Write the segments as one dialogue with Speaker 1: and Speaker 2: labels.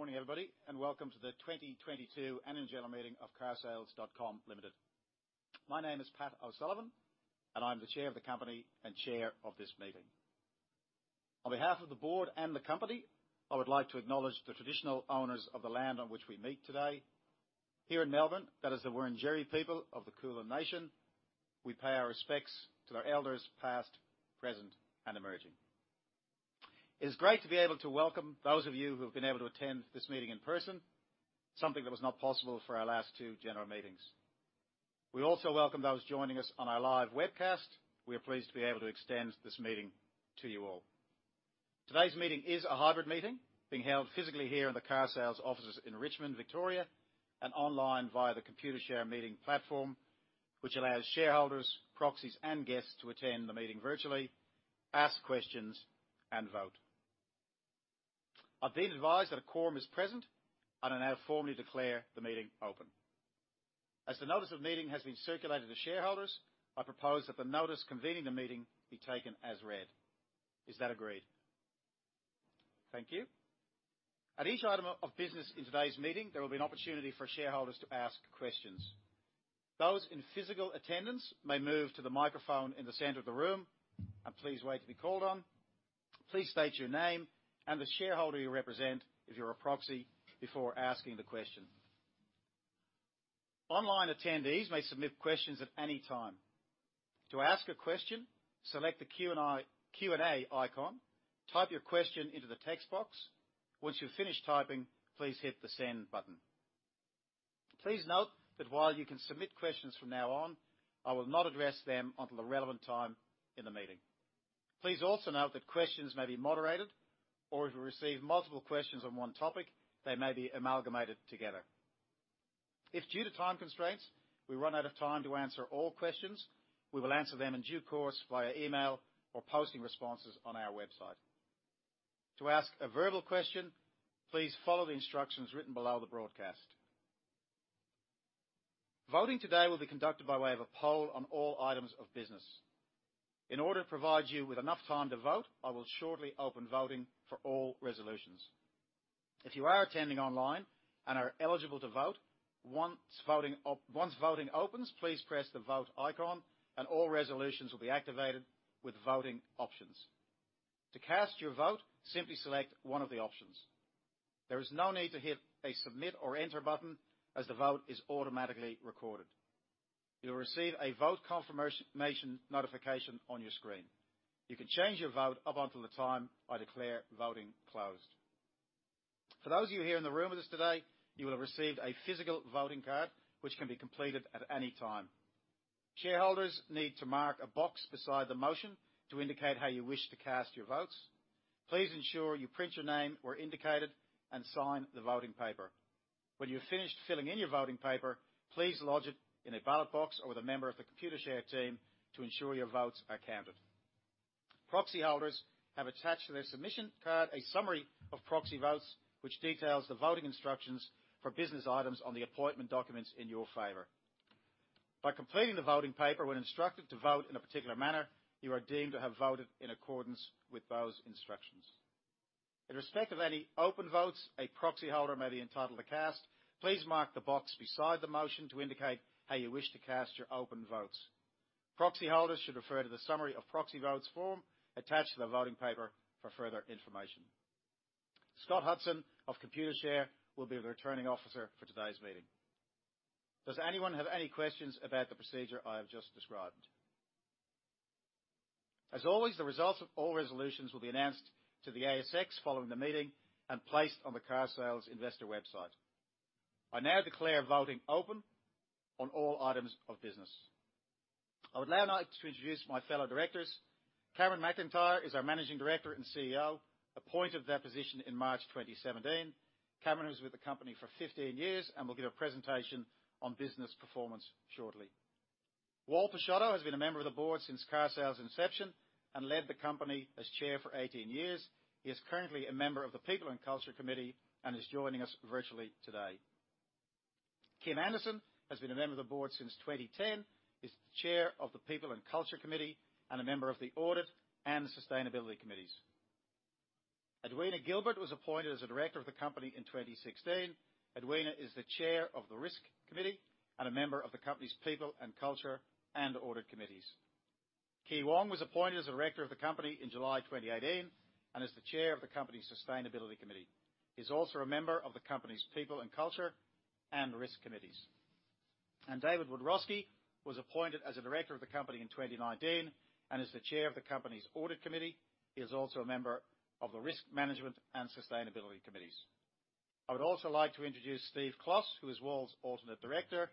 Speaker 1: Good morning, everybody, and welcome to the 2022 Annual General Meeting of carsales.com Limited. My name is Pat O'Sullivan, and I'm the chair of the company and chair of this meeting. On behalf of the board and the company, I would like to acknowledge the traditional owners of the land on which we meet today. Here in Melbourne, that is the Wurundjeri people of the Kulin nation. We pay our respects to their elders past, present, and emerging. It is great to be able to welcome those of you who have been able to attend this meeting in person, something that was not possible for our last two general meetings. We also welcome those joining us on our live webcast. We are pleased to be able to extend this meeting to you all. Today's meeting is a hybrid meeting, being held physically here in the carsales offices in Richmond, Victoria, and online via the Computershare meeting platform, which allows shareholders, proxies, and guests to attend the meeting virtually, ask questions, and vote. I've been advised that a quorum is present, and I now formally declare the meeting open. As the notice of meeting has been circulated to shareholders, I propose that the notice convening the meeting be taken as read. Is that agreed? Thank you. At each item of business in today's meeting, there will be an opportunity for shareholders to ask questions. Those in physical attendance may move to the microphone in the center of the room, and please wait to be called on. Please state your name and the shareholder you represent if you're a proxy, before asking the question. Online attendees may submit questions at any time. To ask a question, select the Q&A icon, type your question into the text box. Once you've finished typing, please hit the Send button. Please note that while you can submit questions from now on, I will not address them until the relevant time in the meeting. Please also note that questions may be moderated, or if we receive multiple questions on one topic, they may be amalgamated together. If due to time constraints, we run out of time to answer all questions, we will answer them in due course via email or posting responses on our website. To ask a verbal question, please follow the instructions written below the broadcast. Voting today will be conducted by way of a poll on all items of business. In order to provide you with enough time to vote, I will shortly open voting for all resolutions. If you are attending online and are eligible to vote, once voting opens, please press the Vote icon and all resolutions will be activated with voting options. To cast your vote, simply select one of the options. There is no need to hit a Submit or Enter button as the vote is automatically recorded. You'll receive a vote confirmation notification on your screen. You can change your vote up until the time I declare voting closed. For those of you here in the room with us today, you will have received a physical voting card, which can be completed at any time. Shareholders need to mark a box beside the motion to indicate how you wish to cast your votes. Please ensure you print your name where indicated and sign the voting paper. When you're finished filling in your voting paper, please lodge it in a ballot box or with a member of the Computershare team to ensure your votes are counted. Proxy holders have attached to their submission card a summary of proxy votes, which details the voting instructions for business items on the appointment documents in your favor. By completing the voting paper when instructed to vote in a particular manner, you are deemed to have voted in accordance with those instructions. In respect of any open votes a proxy holder may be entitled to cast, please mark the box beside the motion to indicate how you wish to cast your open votes. Proxy holders should refer to the summary of proxy votes form attached to the voting paper for further information. Scott Hudson of Computershare will be the Returning Officer for today's meeting. Does anyone have any questions about the procedure I have just described? As always, the results of all resolutions will be announced to the ASX following the meeting and placed on the carsales investor website. I now declare voting open on all items of business. I would now like to introduce my fellow directors. Cameron McIntyre is our Managing Director and CEO, appointed to that position in March 2017. Cameron is with the company for 15 years and will give a presentation on business performance shortly. Walter Pisciotta has been a member of the board since carsales inception and led the company as chair for 18 years. He is currently a member of the People and Culture Committee and is joining us virtually today. Kim Anderson has been a member of the board since 2010, is the chair of the People and Culture Committee and a member of the Audit and Sustainability Committees. Edwina Gilbert was appointed as a director of the company in 2016. Edwina is the chair of the Risk Committee and a member of the company's People and Culture and Audit Committees. Kee Wong was appointed as a director of the company in July 2018 and is the chair of the company's Sustainability Committee. He's also a member of the company's People and Culture and Risk Committees. David Wiadrowski was appointed as a director of the company in 2019 and is the chair of the company's Audit Committee. He is also a member of the Risk Management and Sustainability Committees. I would also like to introduce Steve Klos, who is Walter's alternate director,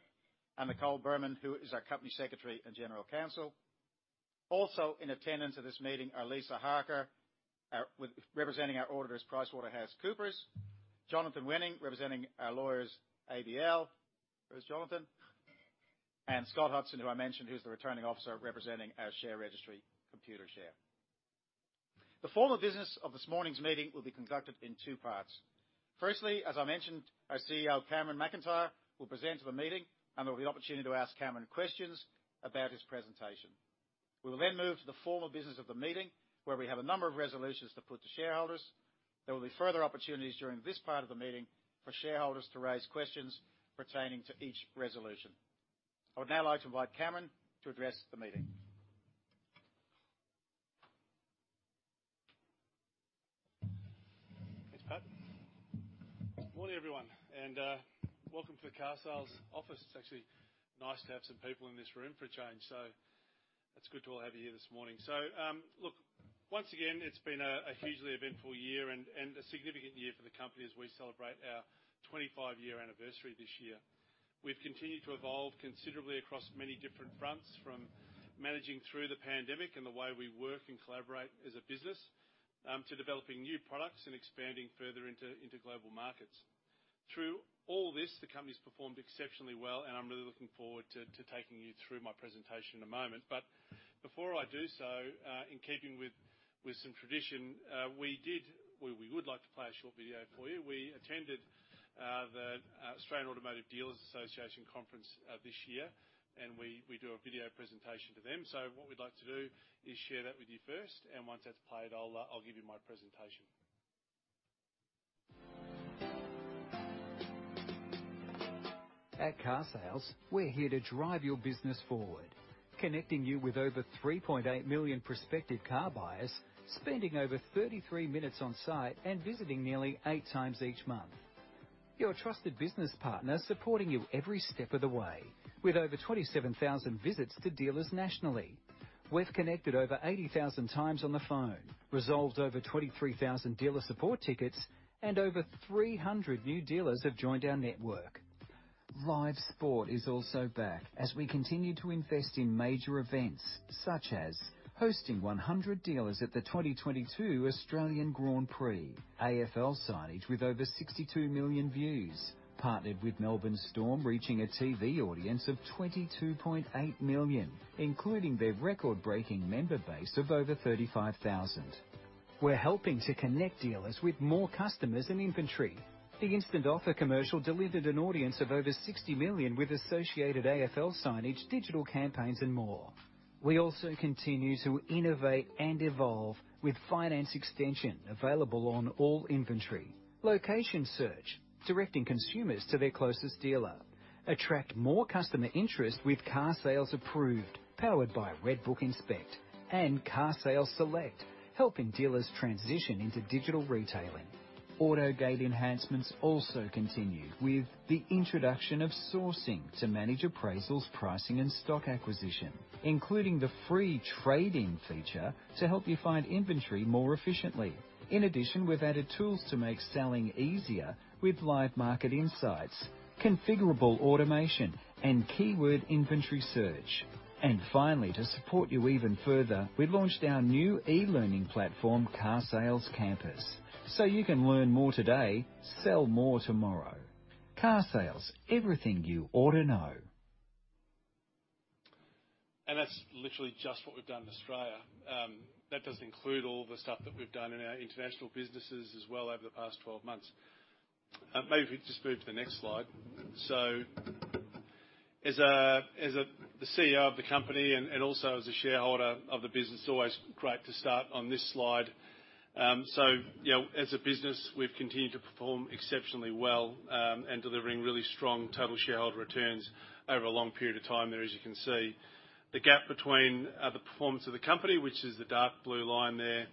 Speaker 1: and Nicole Birman, who is our company secretary and general counsel. Also in attendance of this meeting are Lisa Harker, representing our auditors, PricewaterhouseCoopers. Jonathan Wenig, representing our lawyers, ABL. Where's Jonathan? Scott Hudson, who I mentioned, who's the Returning Officer representing our share registry, Computershare. The formal business of this morning's meeting will be conducted in two parts. Firstly, as I mentioned, our CEO, Cameron McIntyre, will present to the meeting, and there'll be an opportunity to ask Cameron questions about his presentation. We will then move to the formal business of the meeting, where we have a number of resolutions to put to shareholders. There will be further opportunities during this part of the meeting for shareholders to raise questions pertaining to each resolution. I would now like to invite Cameron to address the meeting.
Speaker 2: Thanks, Pat. Morning, everyone, and welcome to the carsales office. It's actually nice to have some people in this room for a change. It's good to all have you here this morning. Look, once again, it's been a hugely eventful year and a significant year for the company as we celebrate our 25-year anniversary this year. We've continued to evolve considerably across many different fronts, from managing through the pandemic and the way we work and collaborate as a business, to developing new products and expanding further into global markets. Through all this, the company's performed exceptionally well, and I'm really looking forward to taking you through my presentation in a moment. Before I do so, in keeping with some tradition, we would like to play a short video for you. We attended the Australian Automotive Dealer Association conference this year, and we do a video presentation to them. What we'd like to do is share that with you first, and once that's played, I'll give you my presentation.
Speaker 3: At carsales, we're here to drive your business forward, connecting you with over 3.8 million prospective car buyers, spending over 33 minutes on site and visiting nearly 8x each month. Your trusted business partner supporting you every step of the way. With over 27,000 visits to dealers nationally, we've connected over 80,000x on the phone, resolved over 23,000 dealer support tickets, and over 300 new dealers have joined our network. Live sport is also back as we continue to invest in major events, such as hosting 100 dealers at the 2022 Australian Grand Prix. AFL signage with over 62 million views. Partnered with Melbourne Storm, reaching a TV audience of 22.8 million, including their record-breaking member base of over 35,000. We're helping to connect dealers with more customers and inventory. The Instant Offer commercial delivered an audience of over 60 million with associated AFL signage, digital campaigns, and more. We also continue to innovate and evolve with finance extension available on all inventory. Location search, directing consumers to their closest dealer. Attract more customer interest with carsales Approved, powered by RedBook Inspect. Carsales Select, helping dealers transition into digital retailing. AutoGate enhancements also continue with the introduction of sourcing to manage appraisals, pricing, and stock acquisition, including the free trade-in feature to help you find inventory more efficiently. In addition, we've added tools to make selling easier with live market insights, configurable automation, and keyword inventory search. Finally, to support you even further, we launched our new e-learning platform, carsales Campus. You can learn more today, sell more tomorrow. Carsales, everything you oughta know.
Speaker 2: That's literally just what we've done in Australia. That doesn't include all the stuff that we've done in our international businesses as well over the past 12 months. Maybe if we just move to the next slide. As a the CEO of the company and also as a shareholder of the business, it's always great to start on this slide. You know, as a business, we've continued to perform exceptionally well and delivering really strong total shareholder returns over a long period of time there, as you can see. The gap between the performance of the company, which is the dark blue line there,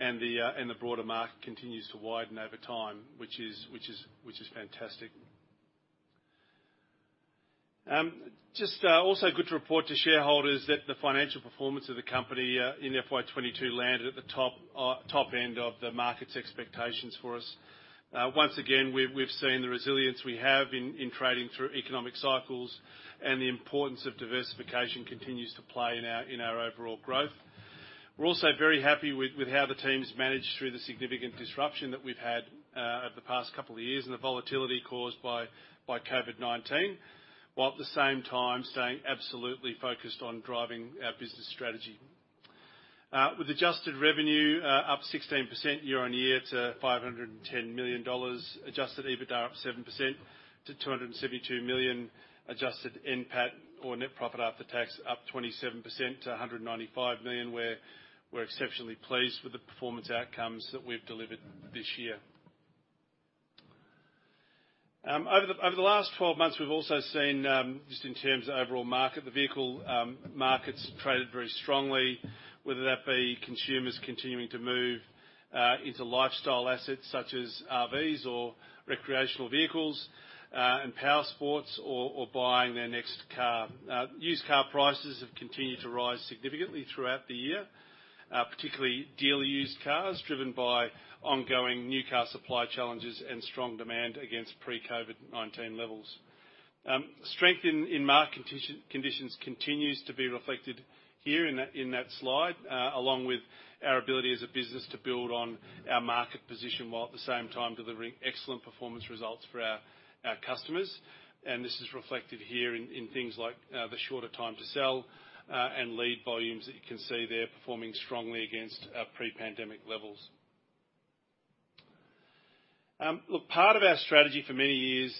Speaker 2: and the broader market continues to widen over time, which is fantastic. Just also good to report to shareholders that the financial performance of the company in FY 2022 landed at the top end of the market's expectations for us. Once again, we've seen the resilience we have in trading through economic cycles and the importance of diversification continues to play in our overall growth. We're also very happy with how the team's managed through the significant disruption that we've had over the past couple of years and the volatility caused by COVID-19, while at the same time staying absolutely focused on driving our business strategy. With adjusted revenue up 16% year-on-year to 510 million dollars, adjusted EBITDA up 7% to 272 million, adjusted NPAT or net profit after tax up 27% to 195 million, we're exceptionally pleased with the performance outcomes that we've delivered this year. Over the last 12 months, we've also seen just in terms of overall market, the vehicle markets traded very strongly, whether that be consumers continuing to move into lifestyle assets such as RVs or recreational vehicles and powersports or buying their next car. Used car prices have continued to rise significantly throughout the year, particularly dealer-used cars driven by ongoing new car supply challenges and strong demand against pre-COVID-19 levels. Strength in market conditions continues to be reflected here in that slide, along with our ability as a business to build on our market position while at the same time delivering excellent performance results for our customers. This is reflected here in things like the shorter time to sell and lead volumes that you can see there performing strongly against our pre-pandemic levels. Look, part of our strategy for many years,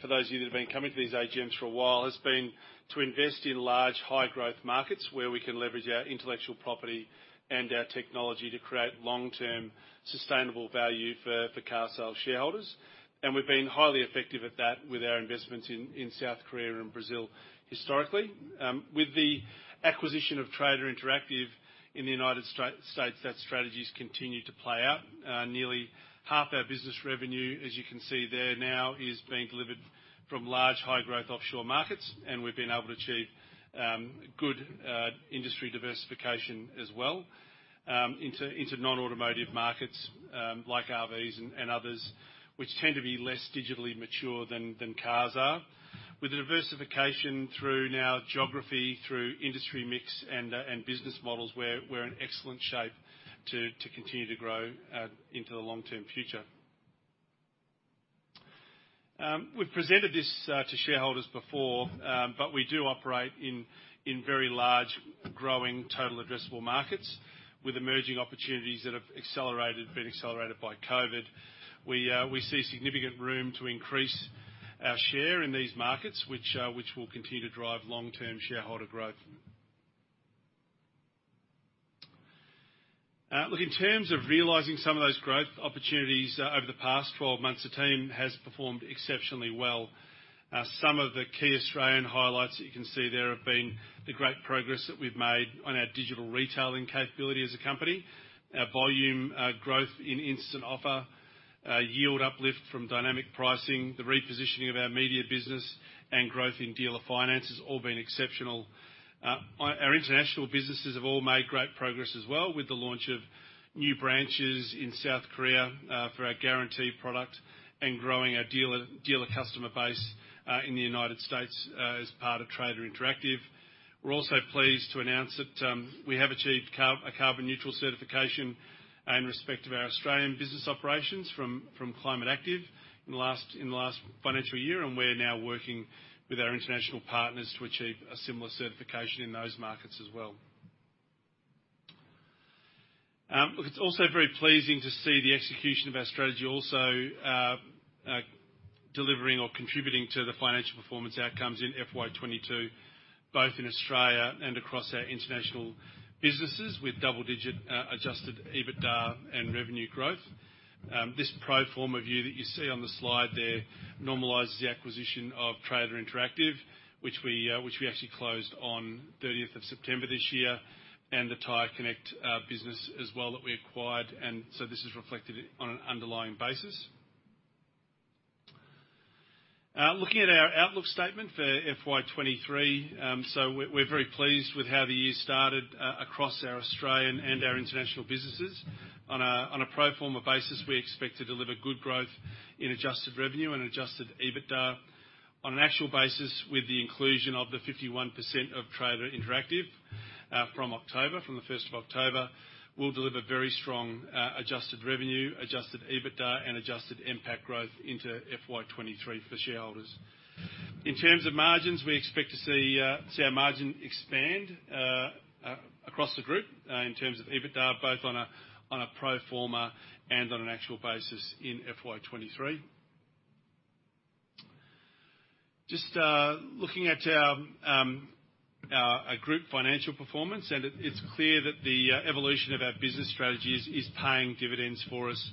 Speaker 2: for those of you that have been coming to these AGMs for a while, has been to invest in large, high growth markets where we can leverage our intellectual property and our technology to create long-term sustainable value for carsales shareholders. We've been highly effective at that with our investments in South Korea and Brazil historically. With the acquisition of Trader Interactive in the United States, that strategy's continued to play out. Nearly half our business revenue, as you can see there now, is being delivered from large high growth offshore markets, and we've been able to achieve good industry diversification as well, into non-automotive markets like RVs and others, which tend to be less digitally mature than cars are. With the diversification through now geography, through industry mix and business models, we're in excellent shape to continue to grow into the long-term future. We've presented this to shareholders before, but we do operate in very large growing total addressable markets with emerging opportunities that have been accelerated by COVID-19. We see significant room to increase our share in these markets, which will continue to drive long-term shareholder growth. Look, in terms of realizing some of those growth opportunities, over the past 12 months, the team has performed exceptionally well. Some of the key Australian highlights that you can see there have been the great progress that we've made on our digital retailing capability as a company. Our volume growth in Instant Offer, yield uplift from Dynamic Pricing, the repositioning of our media business, and growth in dealer finance has all been exceptional. Our international businesses have all made great progress as well with the launch of new branches in South Korea for our guarantee product and growing our dealer customer base in the United States as part of Trader Interactive. We're also pleased to announce that we have achieved carbon neutral certification in respect of our Australian business operations from Climate Active in the last financial year, and we're now working with our international partners to achieve a similar certification in those markets as well. Look, it's also very pleasing to see the execution of our strategy also delivering or contributing to the financial performance outcomes in FY 2022, both in Australia and across our international businesses, with double digit adjusted EBITDA and revenue growth. This pro forma view that you see on the slide there normalizes the acquisition of Trader Interactive, which we actually closed on thirtieth of September this year, and the TyreConnect business as well that we acquired. This is reflected on an underlying basis. Looking at our outlook statement for FY 2023, we're very pleased with how the year started across our Australian and our international businesses. On a pro forma basis, we expect to deliver good growth in adjusted revenue and adjusted EBITDA. On an actual basis, with the inclusion of the 51% of Trader Interactive from the first of October, we'll deliver very strong adjusted revenue, adjusted EBITDA, and adjusted NPAT growth into FY 2023 for shareholders. In terms of margins, we expect to see our margin expand across the group in terms of EBITDA, both on a pro forma and on an actual basis in FY 2023. Looking at our group financial performance, it's clear that the evolution of our business strategy is paying dividends for us.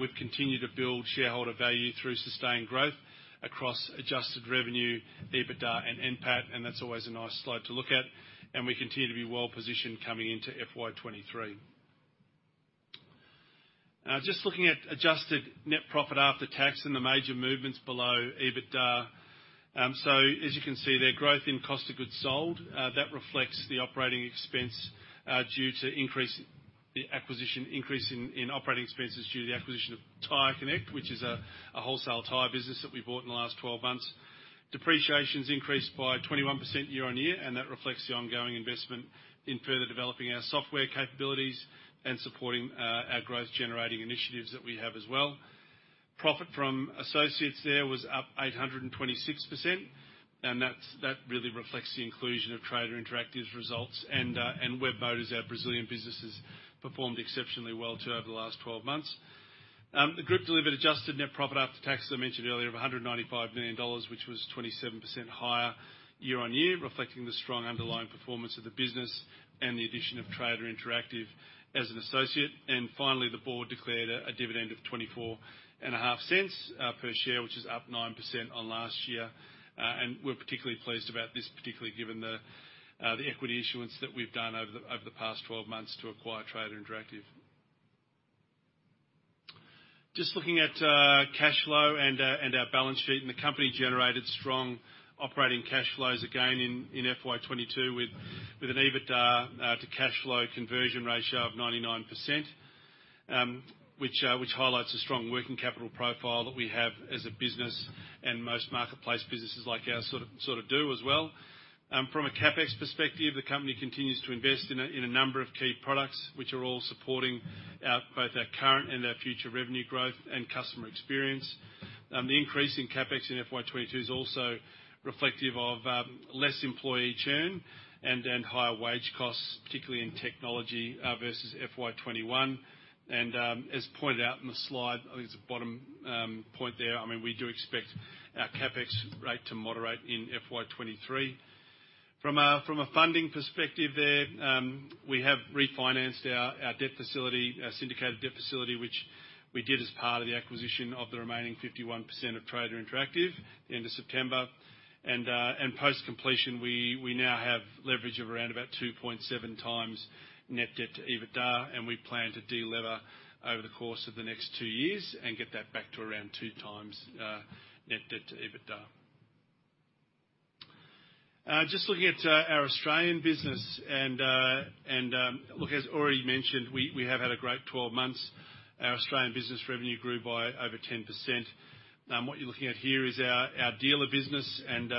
Speaker 2: We've continued to build shareholder value through sustained growth across adjusted revenue, EBITDA, and NPAT, and that's always a nice slide to look at, and we continue to be well-positioned coming into FY 2023. Just looking at adjusted net profit after tax and the major movements below EBITDA. As you can see there, growth in cost of goods sold that reflects the operating expense due to the acquisition increase in operating expenses due to the acquisition of Tyreconnect, which is a wholesale tire business that we bought in the last 12 months. Depreciation's increased by 21% year-over-year, and that reflects the ongoing investment in further developing our software capabilities and supporting our growth generating initiatives that we have as well. Profit from associates there was up 826%, and that really reflects the inclusion of Trader Interactive's results and Webmotors, our Brazilian business, has performed exceptionally well too over the last 12 months. The group delivered adjusted net profit after tax, as I mentioned earlier, of 195 million dollars, which was 27% higher year-on-year, reflecting the strong underlying performance of the business and the addition of Trader Interactive as an associate. Finally, the board declared a dividend of 0.245 per share, which is up 9% on last year. We're particularly pleased about this, particularly given the equity issuance that we've done over the past 12 months to acquire Trader Interactive. Just looking at cash flow and our balance sheet, and the company generated strong operating cash flows again in FY 2022 with an EBITDA to cash flow conversion ratio of 99%, which highlights the strong working capital profile that we have as a business and most marketplace businesses like ours sort of do as well. From a CapEx perspective, the company continues to invest in a number of key products, which are all supporting both our current and our future revenue growth and customer experience. The increase in CapEx in FY 2022 is also reflective of less employee churn and then higher wage costs, particularly in technology, versus FY 2021. As pointed out in the slide, I think it's the bottom point there. I mean, we do expect our CapEx rate to moderate in FY 2023. From a funding perspective there, we have refinanced our debt facility, our syndicated debt facility, which we did as part of the acquisition of the remaining 51% of Trader Interactive, the end of September. Post-completion, we now have leverage of around about 2.7x net debt to EBITDA, and we plan to de-lever over the course of the next two years and get that back to around 2x net debt to EBITDA. Just looking at our Australian business and, look, as already mentioned, we have had a great 12 months. Our Australian business revenue grew by over 10%. What you're looking at here is our dealer business and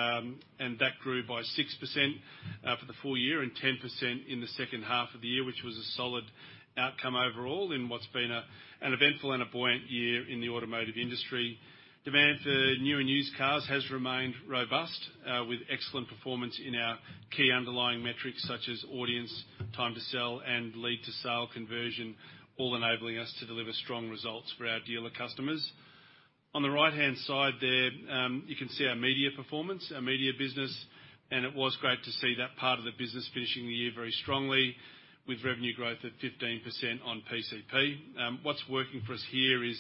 Speaker 2: that grew by 6% for the full year and 10% in the second half of the year, which was a solid outcome overall in what's been an eventful and a buoyant year in the automotive industry. Demand for new and used cars has remained robust with excellent performance in our key underlying metrics, such as audience, time to sell, and lead to sale conversion, all enabling us to deliver strong results for our dealer customers. On the right-hand side there, you can see our media performance, our media business, and it was great to see that part of the business finishing the year very strongly with revenue growth at 15% on PCP. What's working for us here is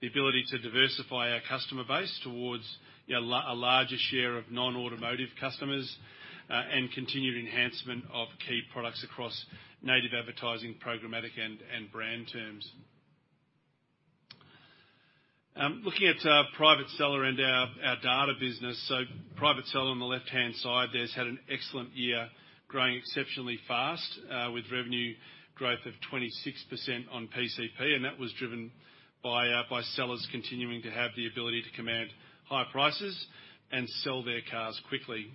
Speaker 2: the ability to diversify our customer base towards a larger share of non-automotive customers, and continued enhancement of key products across native advertising, programmatic and brand terms. Looking at Private Seller and our data business. Private Seller on the left-hand side there has had an excellent year, growing exceptionally fast, with revenue growth of 26% on PCP, and that was driven by sellers continuing to have the ability to command higher prices and sell their cars quickly.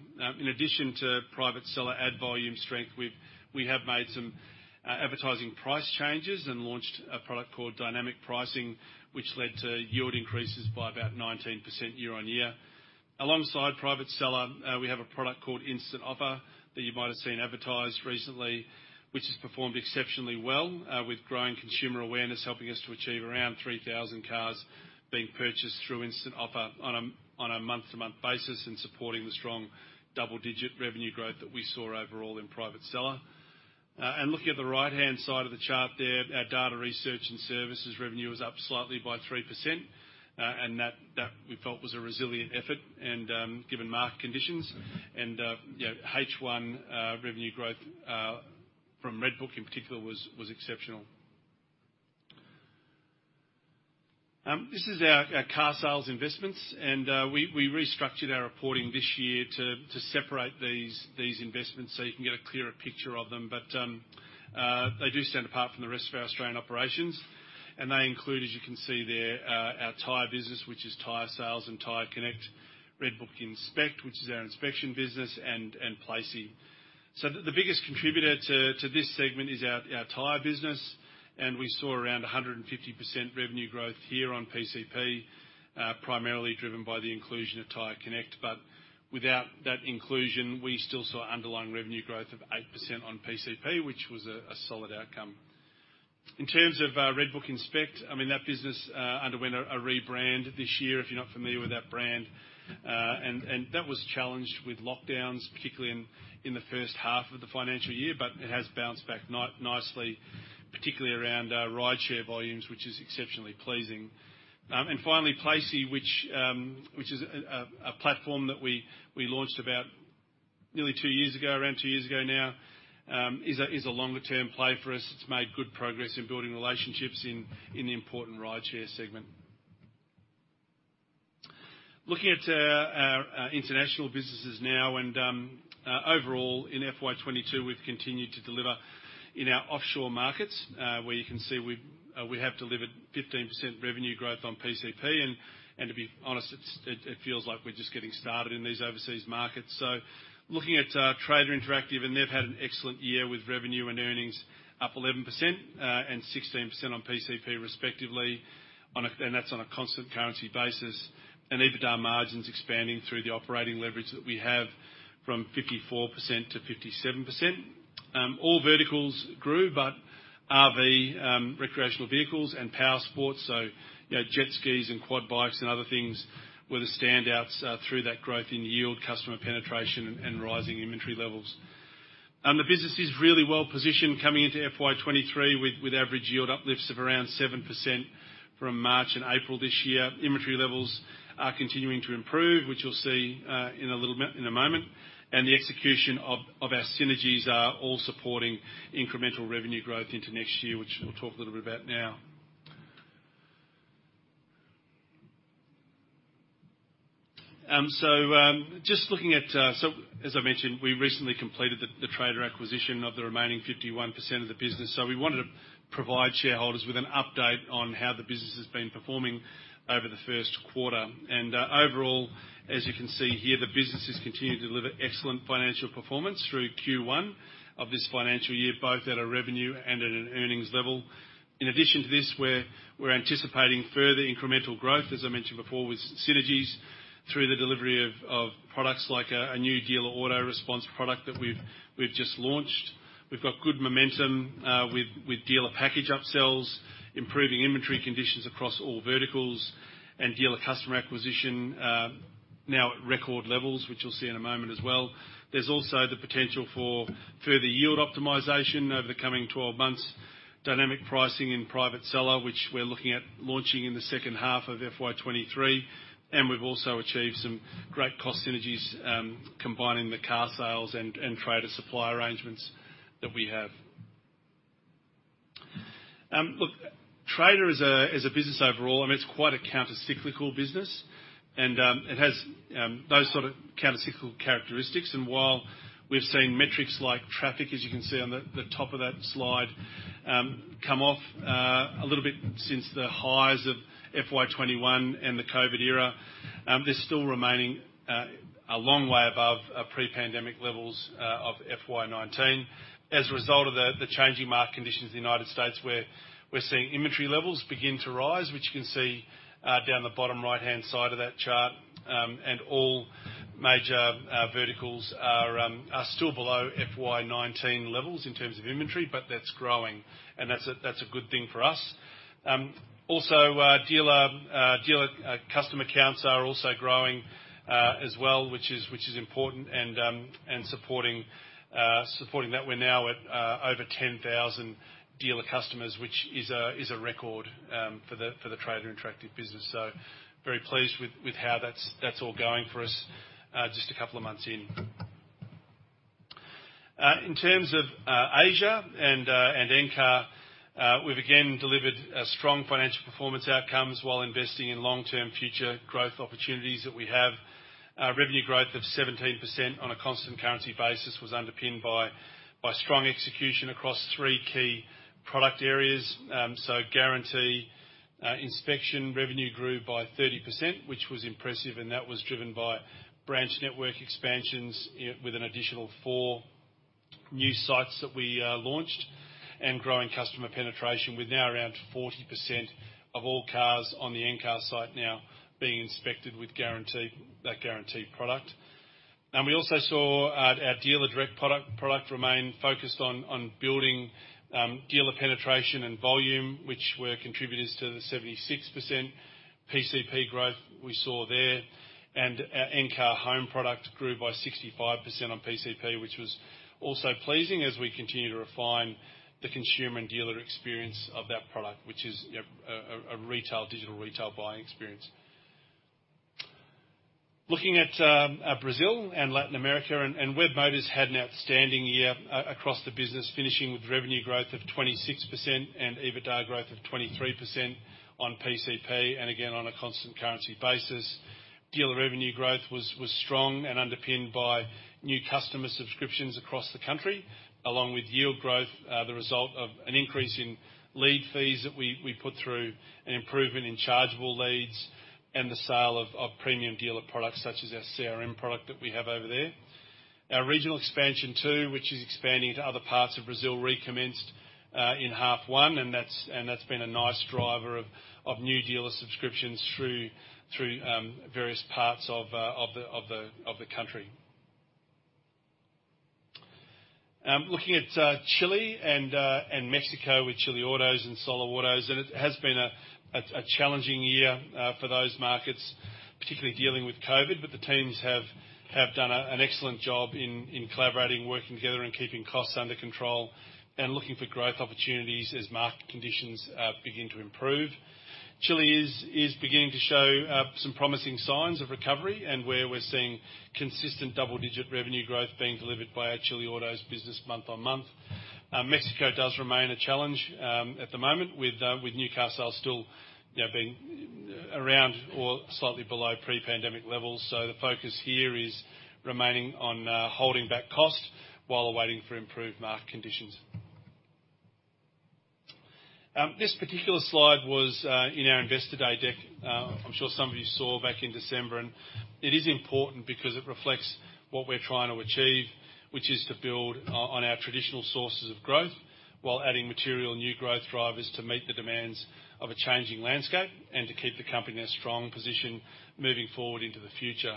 Speaker 2: In addition to Private Seller ad volume strength, we have made some advertising price changes and launched a product called Dynamic Pricing, which led to yield increases by about 19% year-on-year. Alongside Private Seller, we have a product called Instant Offer that you might have seen advertised recently, which has performed exceptionally well, with growing consumer awareness helping us to achieve around 3,000 cars being purchased through Instant Offer on a month-to-month basis and supporting the strong double-digit revenue growth that we saw overall in Private Seller. Looking at the right-hand side of the chart there, our data research and services revenue is up slightly by 3%, and that we felt was a resilient effort and given market conditions. H1 revenue growth from RedBook in particular was exceptional. This is our carsales investments, and we restructured our reporting this year to separate these investments so you can get a clearer picture of them. They do stand apart from the rest of our Australian operations, and they include, as you can see there, our tire business, which is Tyresales and Tyreconnect, RedBook Inspect, which is our inspection business, and Placely. The biggest contributor to this segment is our tire business, and we saw around 150% revenue growth here on PCP, primarily driven by the inclusion of Tyreconnect. Without that inclusion, we still saw underlying revenue growth of 8% on PCP, which was a solid outcome. In terms of RedBook Inspect, I mean, that business underwent a rebrand this year, if you're not familiar with that brand. That was challenged with lockdowns, particularly in the first half of the financial year, but it has bounced back nicely, particularly around rideshare volumes, which is exceptionally pleasing. Finally, Placely, which is a platform that we launched about nearly two years ago, around two years ago now, is a longer term play for us. It's made good progress in building relationships in the important rideshare segment. Looking at our international businesses now and overall in FY 2022, we've continued to deliver in our offshore markets, where you can see we have delivered 15% revenue growth on PCP. To be honest, it feels like we're just getting started in these overseas markets. Looking at Trader Interactive, and they've had an excellent year with revenue and earnings up 11% and 16% on PCP respectively, and that's on a constant currency basis. EBITDA margins expanding through the operating leverage that we have from 54%-57%. All verticals grew but RV, recreational vehicles and power sports. You know, jet skis and quad bikes and other things were the standouts through that growth in yield, customer penetration, and rising inventory levels. The business is really well positioned coming into FY 2023 with average yield uplifts of around 7% from March and April this year. Inventory levels are continuing to improve, which you'll see in a little bit, in a moment. The execution of our synergies are all supporting incremental revenue growth into next year, which we'll talk a little bit about now. Just looking at, as I mentioned, we recently completed the Trader acquisition of the remaining 51% of the business. We wanted to provide shareholders with an update on how the business has been performing over the first quarter. Overall, as you can see here, the business has continued to deliver excellent financial performance through Q1 of this financial year, both at a revenue and at an earnings level. In addition to this, we're anticipating further incremental growth, as I mentioned before, with synergies through the delivery of products like a new dealer auto response product that we've just launched. We've got good momentum, with dealer package upsells, improving inventory conditions across all verticals and dealer customer acquisition, now at record levels, which you'll see in a moment as well. There's also the potential for further yield optimization over the coming 12 months, Dynamic Pricing in private seller, which we're looking at launching in the second half of FY 2023. We've also achieved some great cost synergies, combining the carsales and Trader supply arrangements that we have. Look, Trader as a business overall, I mean, it's quite a countercyclical business, and it has those sort of countercyclical characteristics. While we've seen metrics like traffic, as you can see on the top of that slide, come off a little bit since the highs of FY 2021 and the COVID era, they're still remaining a long way above pre-pandemic levels of FY 2019. As a result of the changing market conditions in the United States, we're seeing inventory levels begin to rise, which you can see down the bottom right-hand side of that chart. All major verticals are still below FY 2019 levels in terms of inventory, but that's growing, and that's a good thing for us. Also, dealer customer counts are also growing as well, which is important and supporting that. We're now at over 10,000 dealer customers, which is a record for the Trader Interactive business. Very pleased with how that's all going for us just a couple of months in. In terms of Asia and Encar, we've again delivered a strong financial performance outcomes while investing in long-term future growth opportunities that we have. Our revenue growth of 17% on a constant currency basis was underpinned by strong execution across three key product areas. Guarantee inspection revenue grew by 30%, which was impressive, and that was driven by branch network expansions with an additional four new sites that we launched, and growing customer penetration with now around 40% of all cars on the Encar site now being inspected with guarantee, that guarantee product. We also saw our Dealer Direct product remain focused on building dealer penetration and volume, which were contributors to the 76% PCP growth we saw there. Our Encar Home product grew by 65% on PCP, which was also pleasing as we continue to refine the consumer and dealer experience of that product, which is a digital retail buying experience. Looking at Brazil and Latin America, Webmotors had an outstanding year across the business, finishing with revenue growth of 26% and EBITDA growth of 23% on PCP. Again, on a constant currency basis, dealer revenue growth was strong and underpinned by new customer subscriptions across the country, along with yield growth, the result of an increase in lead fees that we put through, an improvement in chargeable leads, and the sale of premium dealer products such as our CRM product that we have over there. Our regional expansion too, which is expanding to other parts of Brazil, recommenced in half one, and that's been a nice driver of new dealer subscriptions through various parts of the country. Looking at Chile and Mexico with chileautos and soloautos, it has been a challenging year for those markets, particularly dealing with COVID, but the teams have done an excellent job in collaborating, working together and keeping costs under control and looking for growth opportunities as market conditions begin to improve. Chile is beginning to show some promising signs of recovery and where we're seeing consistent double-digit revenue growth being delivered by our chileautos business month-on-month. Mexico does remain a challenge at the moment with new car sales still, you know, being around or slightly below pre-pandemic levels. The focus here is remaining on holding back cost while waiting for improved market conditions. This particular slide was in our Investor Day deck. I'm sure some of you saw back in December, and it is important because it reflects what we're trying to achieve, which is to build on our traditional sources of growth while adding material and new growth drivers to meet the demands of a changing landscape and to keep the company in a strong position moving forward into the future.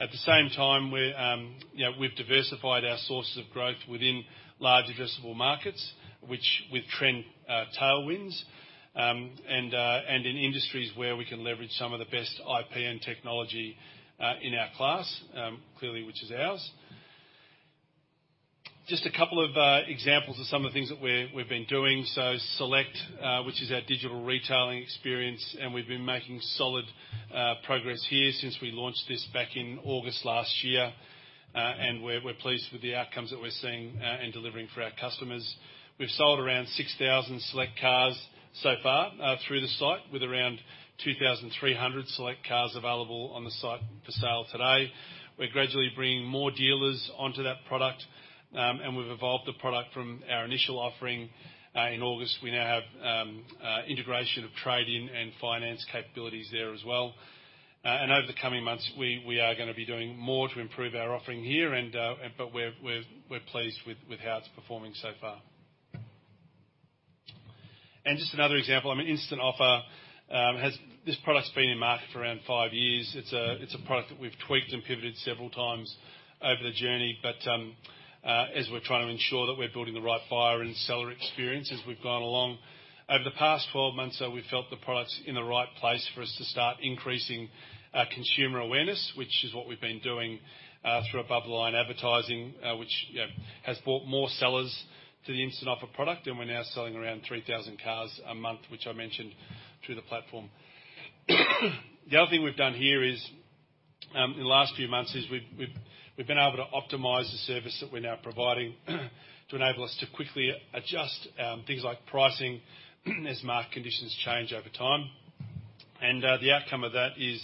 Speaker 2: At the same time, you know, we've diversified our sources of growth within large addressable markets, which with trend tailwinds and in industries where we can leverage some of the best IP and technology in our class, clearly, which is ours. Just a couple of examples of some of the things that we've been doing. Select, which is our digital retailing experience, and we've been making solid progress here since we launched this back in August last year. We're pleased with the outcomes that we're seeing and delivering for our customers. We've sold around 6,000 Select cars so far through the site with around 2,300 Select cars available on the site for sale today. We're gradually bringing more dealers onto that product, and we've evolved the product from our initial offering in August. We now have integration of trade-in and finance capabilities there as well. Over the coming months, we are gonna be doing more to improve our offering here and but we're pleased with how it's performing so far. Just another example, I mean, Instant Offer has. This product's been in market for around five years. It's a product that we've tweaked and pivoted several times over the journey, but as we're trying to ensure that we're building the right buyer and seller experience as we've gone along. Over the past 12 months, though, we felt the product's in the right place for us to start increasing consumer awareness, which is what we've been doing through above-the-line advertising, which, you know, has brought more sellers to the Instant Offer product, and we're now selling around 3,000 cars a month, which I mentioned, through the platform. The other thing we've done here is, in the last few months, is we've been able to optimize the service that we're now providing to enable us to quickly adjust things like pricing as market conditions change over time. The outcome of that is,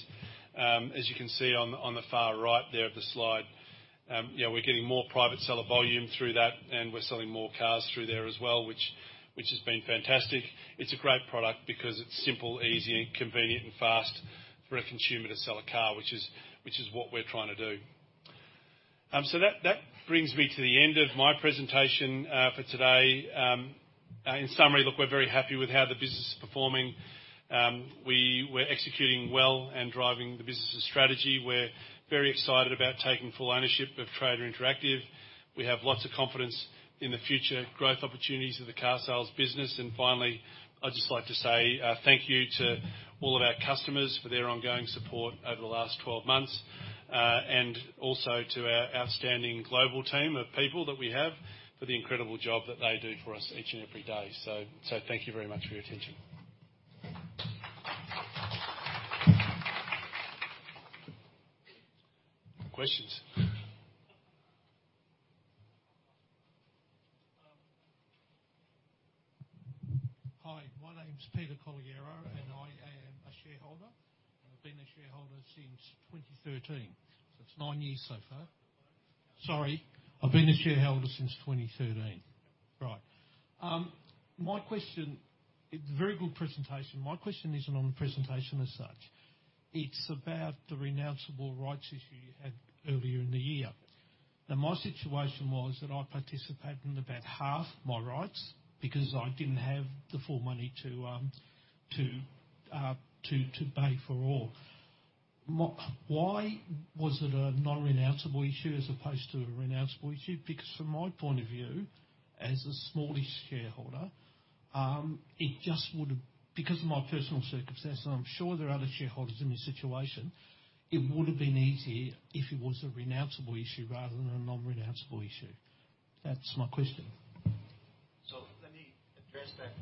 Speaker 2: as you can see on the far right there of the slide, yeah, we're getting more private seller volume through that, and we're selling more cars through there as well, which has been fantastic. It's a great product because it's simple, easy, and convenient, and fast for a consumer to sell a car, which is what we're trying to do. That brings me to the end of my presentation for today. In summary, look, we're very happy with how the business is performing. We were executing well and driving the business' strategy. We're very excited about taking full ownership of Trader Interactive. We have lots of confidence in the future growth opportunities of the carsales business. Finally, I'd just like to say thank you to all of our customers for their ongoing support over the last 12 months, and also to our outstanding global team of people that we have, for the incredible job that they do for us each and every day. So, thank you very much for your attention. Questions?
Speaker 4: Hi, my name's Peter Collier, and I am a shareholder. I've been a shareholder since 2013, so it's nine years so far. Sorry. Right. My question. Very good presentation. My question isn't on the presentation as such. It's about the renounceable rights issue you had earlier in the year. Now, my situation was that I participated in about half my rights because I didn't have the full money to pay for all. Why was it a non-renounceable issue as opposed to a renounceable issue? Because from my point of view, as a smallish shareholder, it just would've. Because of my personal circumstance, and I'm sure there are other shareholders in this situation, it would have been easier if it was a renounceable issue rather than a non-renounceable issue. That's my question.
Speaker 1: Let me address that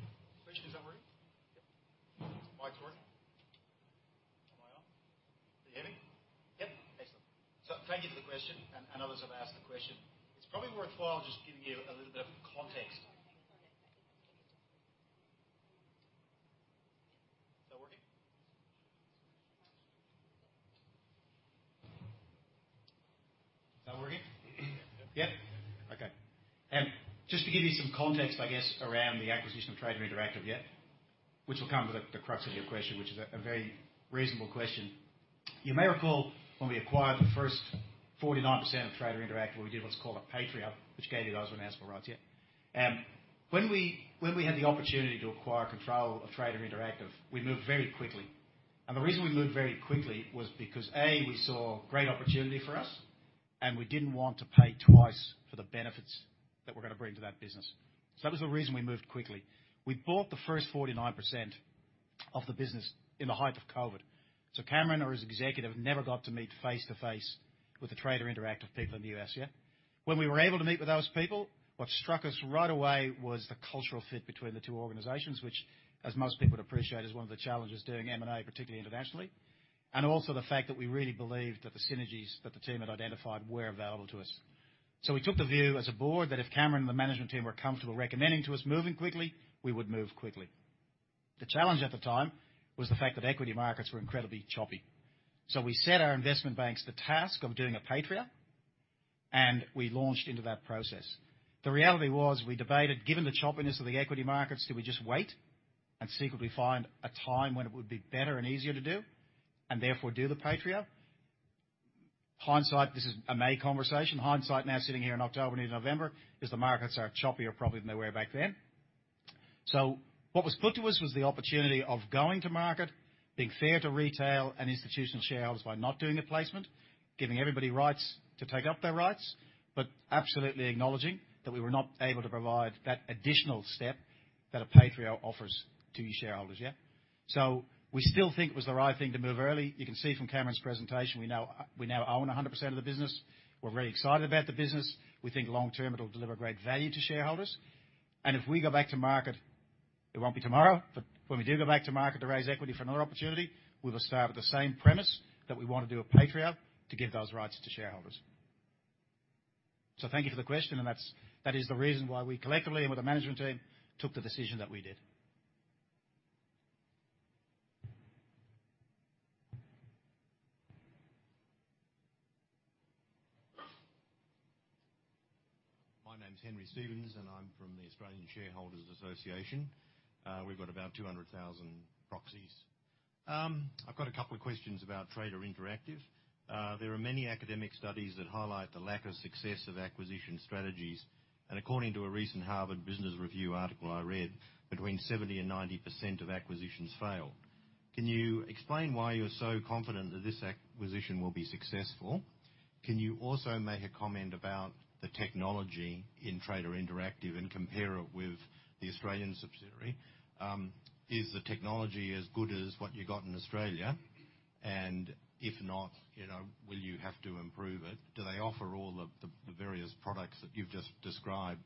Speaker 1: question. Is that working? Mic working?
Speaker 4: Am I on?
Speaker 1: Can you hear me?
Speaker 4: Yep.
Speaker 1: Excellent. Thank you for the question, and others have asked the question. It's probably worthwhile just giving you a little bit of context. Is that working? Is that working?
Speaker 4: Yep.
Speaker 1: Okay. Just to give you some context, I guess, around the acquisition of Trader Interactive, yeah, which will come to the crux of your question, which is a very reasonable question. You may recall when we acquired the first 49% of Trader Interactive, we did what's called a pro rata, which gave you those renounceable rights, yeah. When we had the opportunity to acquire control of Trader Interactive, we moved very quickly. The reason we moved very quickly was because, A, we saw great opportunity for us, and we didn't want to pay twice for the benefits that we're gonna bring to that business. That was the reason we moved quickly. We bought the first 49% of the business in the height of COVID. Cameron and his executive never got to meet face-to-face with the Trader Interactive people in the U.S., yeah. When we were able to meet with those people, what struck us right away was the cultural fit between the two organizations, which, as most people would appreciate, is one of the challenges doing M&A, particularly internationally. The fact that we really believed that the synergies that the team had identified were available to us. We took the view as a board that if Cameron and the management team were comfortable recommending to us moving quickly, we would move quickly. The challenge at the time was the fact that equity markets were incredibly choppy. We set our investment banks the task of doing a pro rata, and we launched into that process. The reality was we debated, given the choppiness of the equity markets, do we just wait and see could we find a time when it would be better and easier to do, and therefore do the pro rata? In hindsight, this is a May conversation. In hindsight, now sitting here in October, nearly November, is the markets are choppier probably than they were back then. What was put to us was the opportunity of going to market, being fair to retail and institutional shareholders by not doing a placement, giving everybody rights to take up their rights, but absolutely acknowledging that we were not able to provide that additional step that a pro rata offers to your shareholders, yeah. We still think it was the right thing to move early. You can see from Cameron's presentation, we now own 100% of the business. We're very excited about the business. We think long term, it'll deliver great value to shareholders. If we go back to market, it won't be tomorrow, but when we do go back to market to raise equity for another opportunity, we will start at the same premise that we wanna do a pro rata to give those rights to shareholders. Thank you for the question, and that is the reason why we collectively and with the management team, took the decision that we did.
Speaker 5: My name's Henry Stevens, and I'm from the Australian Shareholders' Association. We've got about 200,000 proxies. I've got a couple of questions about Trader Interactive. There are many academic studies that highlight the lack of success of acquisition strategies, and according to a recent Harvard Business Review article I read, between 70%-90% of acquisitions fail. Can you explain why you're so confident that this acquisition will be successful? Can you also make a comment about the technology in Trader Interactive and compare it with the Australian subsidiary? Is the technology as good as what you got in Australia? And if not, you know, will you have to improve it? Do they offer all the various products that you've just described,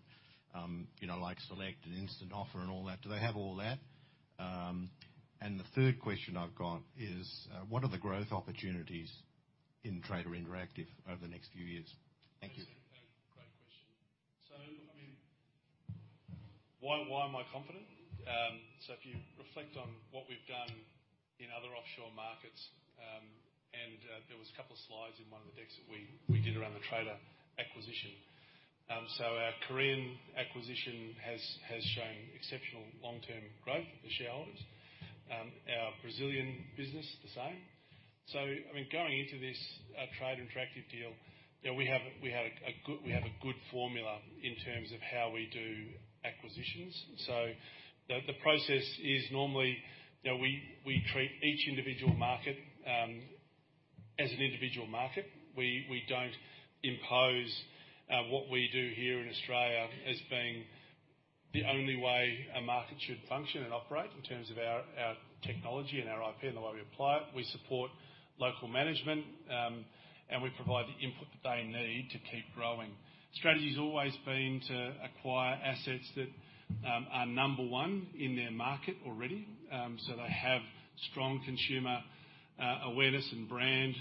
Speaker 5: you know, like Select and Instant Offer and all that? Do they have all that? The third question I've got is, what are the growth opportunities in Trader Interactive over the next few years? Thank you.
Speaker 2: Thanks, Henry. Great question. I mean, why am I confident? If you reflect on what we've done in other offshore markets, and there was a couple of slides in one of the decks that we did around the Trader acquisition. Our Korean acquisition has shown exceptional long-term growth for shareholders, our Brazilian business the same. I mean, going into this Trader Interactive deal, you know, we have a good formula in terms of how we do acquisitions. The process is normally, you know, we treat each individual market as an individual market. We don't impose what we do here in Australia as being the only way a market should function and operate in terms of our technology and our IP and the way we apply it. We support local management and we provide the input that they need to keep growing. Strategy has always been to acquire assets that are Number 1 in their market already. They have strong consumer awareness and brand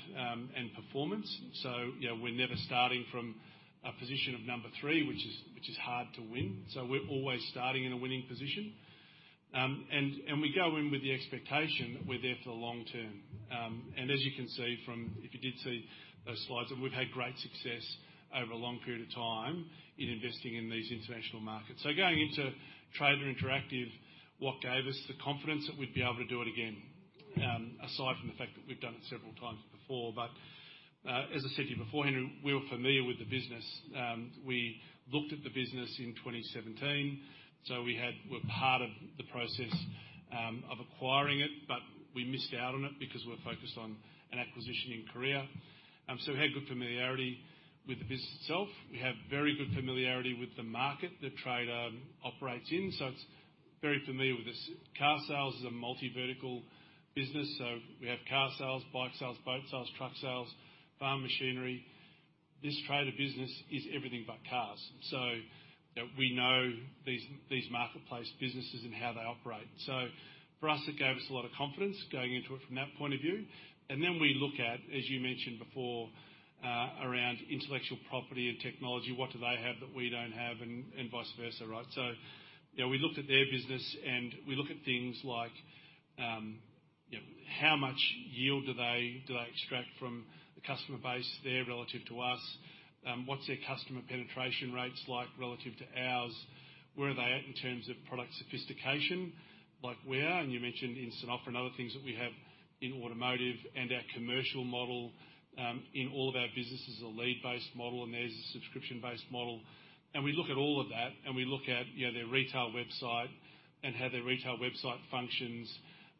Speaker 2: and performance. You know, we're never starting from a position of Number 3, which is hard to win. We're always starting in a winning position. We go in with the expectation that we're there for the long term. As you can see if you did see those slides, we've had great success over a long period of time in investing in these international markets. Going into Trader Interactive, what gave us the confidence that we'd be able to do it again, aside from the fact that we've done it several times before. As I said to you before, Henry, we were familiar with the business. We looked at the business in 2017, so we were part of the process of acquiring it, but we missed out on it because we were focused on an acquisition in Korea. We had good familiarity with the business itself. We have very good familiarity with the market that Trader operates in, it's very familiar with this. Carsales is a multi-vertical business, so we have carsales, bikesales, boatsales, trucksales, farm machinery. This Trader Interactive business is everything but cars. You know, we know these marketplace businesses and how they operate. For us, it gave us a lot of confidence going into it from that point of view. We look at, as you mentioned before, around intellectual property and technology, what do they have that we don't have and vice versa, right? You know, we looked at their business, and we look at things like, you know, how much yield do they extract from the customer base there relative to us? What's their customer penetration rates like relative to ours? Where are they at in terms of product sophistication like we are? You mentioned Instant Offer and other things that we have in automotive and our commercial model in all of our businesses is a lead-based model, and theirs is a subscription-based model. We look at all of that, and we look at, you know, their retail website and how their retail website functions,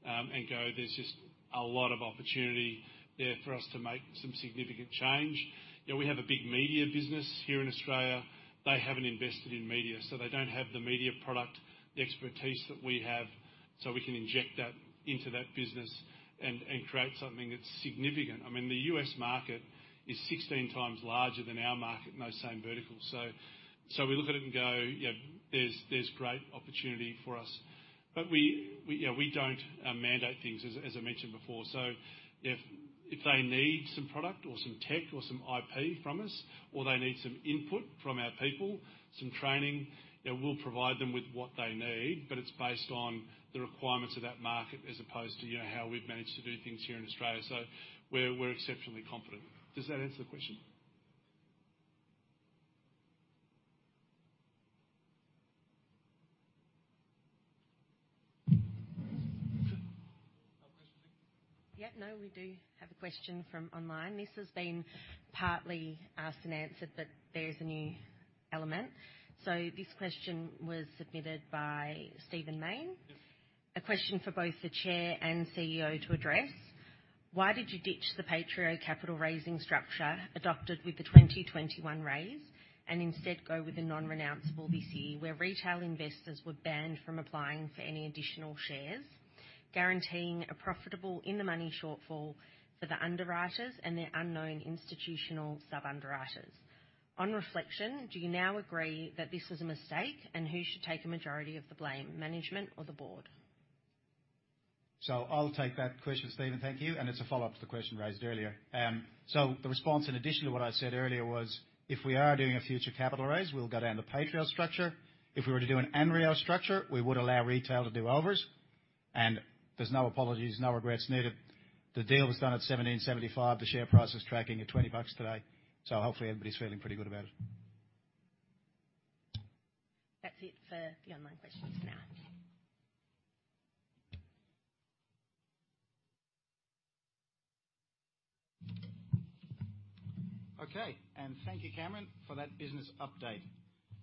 Speaker 2: and go, "There's just a lot of opportunity there for us to make some significant change." You know, we have a big media business here in Australia. They haven't invested in media, so they don't have the media product, the expertise that we have, so we can inject that into that business and create something that's significant. I mean, the U.S. market is 16x larger than our market in those same verticals. We look at it and go, "Yeah, there's great opportunity for us." We, you know, don't mandate things, as I mentioned before. If they need some product or some tech or some IP from us or they need some input from our people, some training, you know, we'll provide them with what they need, but it's based on the requirements of that market as opposed to, you know, how we've managed to do things here in Australia. We're exceptionally confident. Does that answer the question?
Speaker 5: No questions.
Speaker 6: Yeah. No, we do have a question from online. This has been partly asked and answered, but there's a new element. This question was submitted by Stephen Mayne. A question for both the Chair and CEO to address. Why did you ditch the PAITREO capital raising structure adopted with the 2021 raise and instead go with a non-renounceable ANREO, where retail investors were banned from applying for any additional shares, guaranteeing a profitable in-the-money shortfall for the underwriters and their unknown institutional sub-underwriters? On reflection, do you now agree that this was a mistake, and who should take a majority of the blame, management or the board?
Speaker 2: I'll take that question, Stephen. Thank you. It's a follow-up to the question raised earlier. The response in addition to what I said earlier was, if we are doing a future capital raise, we'll go down the PAITREO structure. If we were to do an ANREO structure, we would allow retail to do overs.
Speaker 1: There's no apologies, no regrets needed. The deal was done at 17.75. The share price is tracking at 20 bucks today, so hopefully everybody's feeling pretty good about it.
Speaker 6: That's it for the online questions now.
Speaker 1: Okay. Thank you, Cameron, for that business update.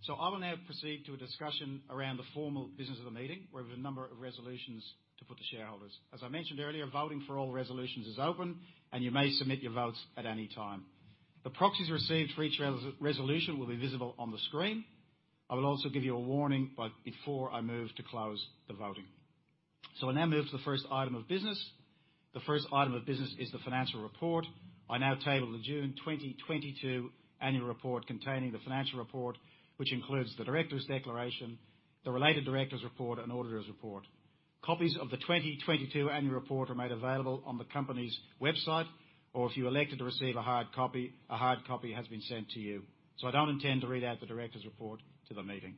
Speaker 1: I will now proceed to a discussion around the formal business of the meeting, where we have a number of resolutions to put to shareholders. As I mentioned earlier, voting for all resolutions is open, and you may submit your votes at any time. The proxies received for each resolution will be visible on the screen. I will also give you a warning before I move to close the voting. We now move to the first item of business. The first item of business is the financial report. I now table the June 2022 annual report containing the financial report, which includes the directors' declaration, the related directors' report, and auditors' report. Copies of the 2022 annual report are made available on the company's website, or if you elected to receive a hard copy, a hard copy has been sent to you. I don't intend to read out the directors' report to the meeting.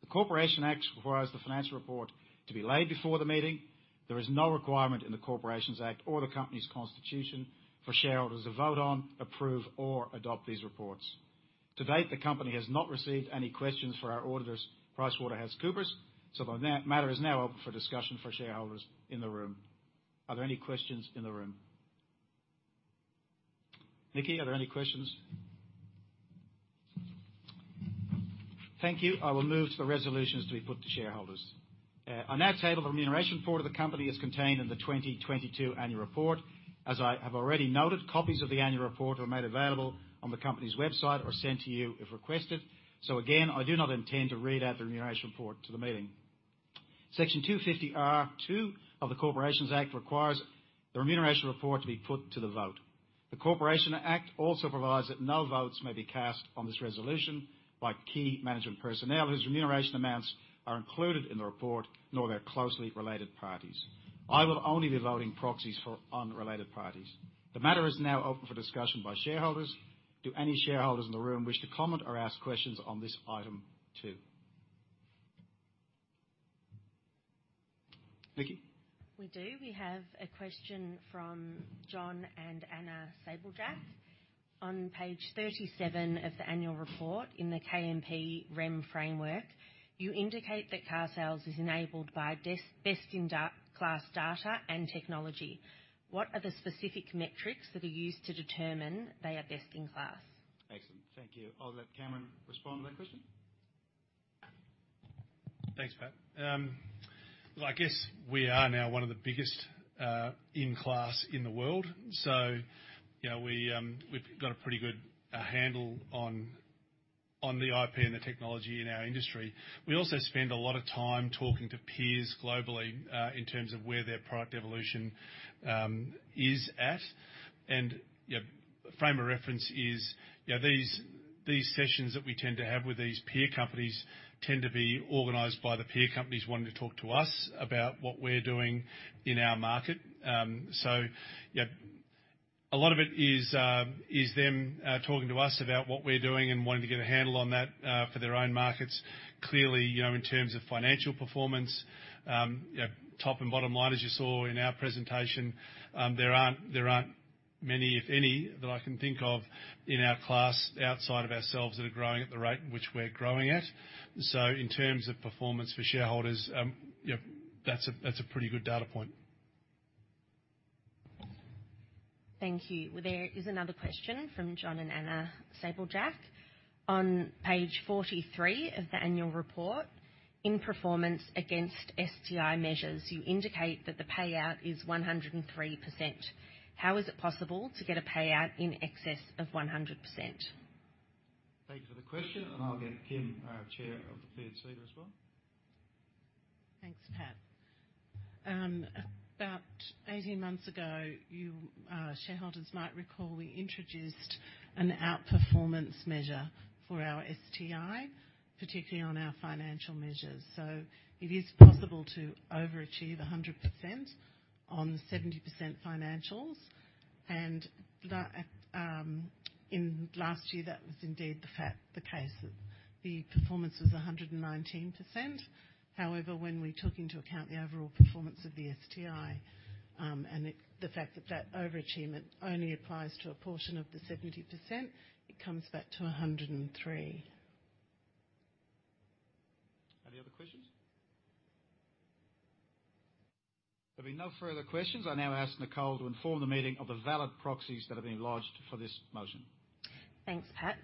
Speaker 1: The Corporations Act requires the financial report to be laid before the meeting. There is no requirement in the Corporations Act or the company's constitution for shareholders to vote on, approve, or adopt these reports. To date, the company has not received any questions for our auditors, PricewaterhouseCoopers. The matter is now open for discussion for shareholders in the room. Are there any questions in the room? Nikki, are there any questions? Thank you. I will move to the resolutions to be put to shareholders. I now table the remuneration report of the company as contained in the 2022 annual report. As I have already noted, copies of the annual report are made available on the company's website or sent to you if requested. Again, I do not intend to read out the remuneration report to the meeting. Section 250R(2) of the Corporations Act requires the remuneration report to be put to the vote. The Corporations Act also provides that no votes may be cast on this resolution by key management personnel whose remuneration amounts are included in the report, nor their closely related parties. I will only be voting proxies for unrelated parties. The matter is now open for discussion by shareholders. Do any shareholders in the room wish to comment or ask questions on this item two? Nicole?
Speaker 6: We do. We have a question from John and Anna Sabljak. On page 37 of the annual report in the KMP REM framework, you indicate that carsales is enabled by best-in-class data and technology. What are the specific metrics that are used to determine they are best in class?
Speaker 1: Excellent. Thank you. I'll let Cameron respond to that question.
Speaker 2: Thanks, Pat. Well, I guess we are now one of the biggest in class in the world. You know, we have got a pretty good handle on the IP and the technology in our industry. We also spend a lot of time talking to peers globally in terms of where their product evolution is at. You know, frame of reference is, you know, these sessions that we tend to have with these peer companies tend to be organized by the peer companies wanting to talk to us about what we are doing in our market. You know, a lot of it is them talking to us about what we are doing and wanting to get a handle on that for their own markets. Clearly, you know, in terms of financial performance, you know, top and bottom line, as you saw in our presentation, there aren't many, if any, that I can think of in our class outside of ourselves that are growing at the rate in which we're growing at. In terms of performance for shareholders, you know, that's a pretty good data point.
Speaker 6: Thank you. There is another question from John and Anna Sabljak. On page 43 of the annual report, in performance against STI measures, you indicate that the payout is 103%. How is it possible to get a payout in excess of 100%?
Speaker 1: Thank you for the question, and I'll get Kim, our Chair, of the third seat as well.
Speaker 7: Thanks, Pat. About 18 months ago, you shareholders might recall, we introduced an outperformance measure for our STI, particularly on our financial measures. It is possible to overachieve 100% on the 70% financials. In last year, that was indeed the case. The performance was 119%. However, when we took into account the overall performance of the STI, and the fact that that overachievement only applies to a portion of the 70%, it comes back to 103%.
Speaker 1: Any other questions? If there be no further questions, I now ask Nicole to inform the meeting of the valid proxies that have been lodged for this motion.
Speaker 6: Thanks, Pat.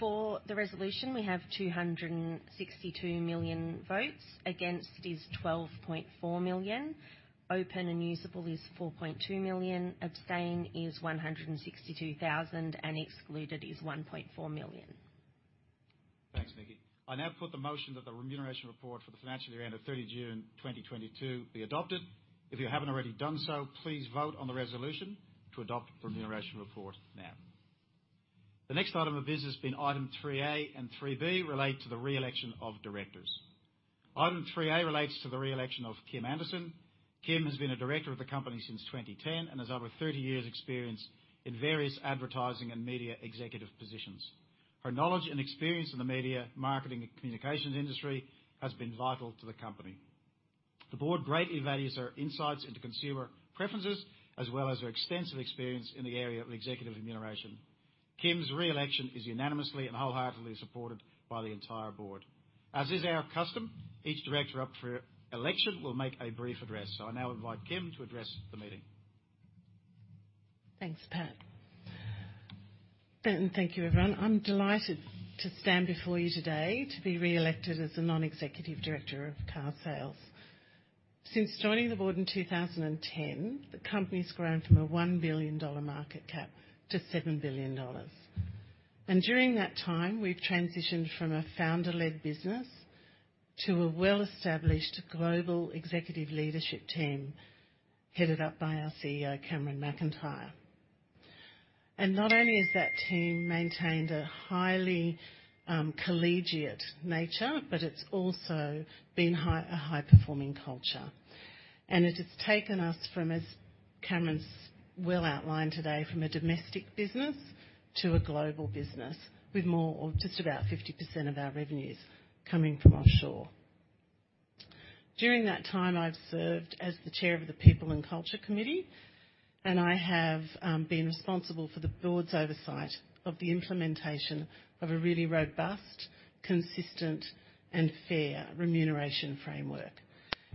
Speaker 6: For the resolution, we have 262 million votes. Against is 12.4 million. Open and usable is 4.2 million. Abstain is 162,000. Excluded is 1.4 million.
Speaker 1: Thanks, Nikki. I now put the motion that the remuneration report for the financial year end of 30 June 2022 be adopted. If you haven't already done so, please vote on the resolution to adopt the remuneration report now. The next item of business being item 3A and 3B relate to the re-election of directors. Item 3A relates to the re-election of Kim Anderson. Kim has been a director of the company since 2010 and has over 30 years' experience in various advertising and media executive positions. Her knowledge and experience in the media, marketing, and communications industry has been vital to the company. The board greatly values her insights into consumer preferences, as well as her extensive experience in the area of executive remuneration. Kim's re-election is unanimously and wholeheartedly supported by the entire board. As is our custom, each director up for election will make a brief address. I now invite Kim to address the meeting.
Speaker 7: Thanks, Pat. Thank you, everyone. I'm delighted to stand before you today to be re-elected as the non-executive director of carsales. Since joining the board in 2010, the company's grown from an 1 billion dollar market cap to 7 billion dollars. During that time, we've transitioned from a founder-led business to a well-established global executive leadership team, headed up by our CEO, Cameron McIntyre. Not only has that team maintained a highly collegiate nature, but it's also been a high-performing culture. It has taken us from, as Cameron's well outlined today, from a domestic business to a global business with more or just about 50% of our revenues coming from offshore. During that time, I've served as the chair of the People and Culture Committee, and I have been responsible for the board's oversight of the implementation of a really robust, consistent, and fair remuneration framework.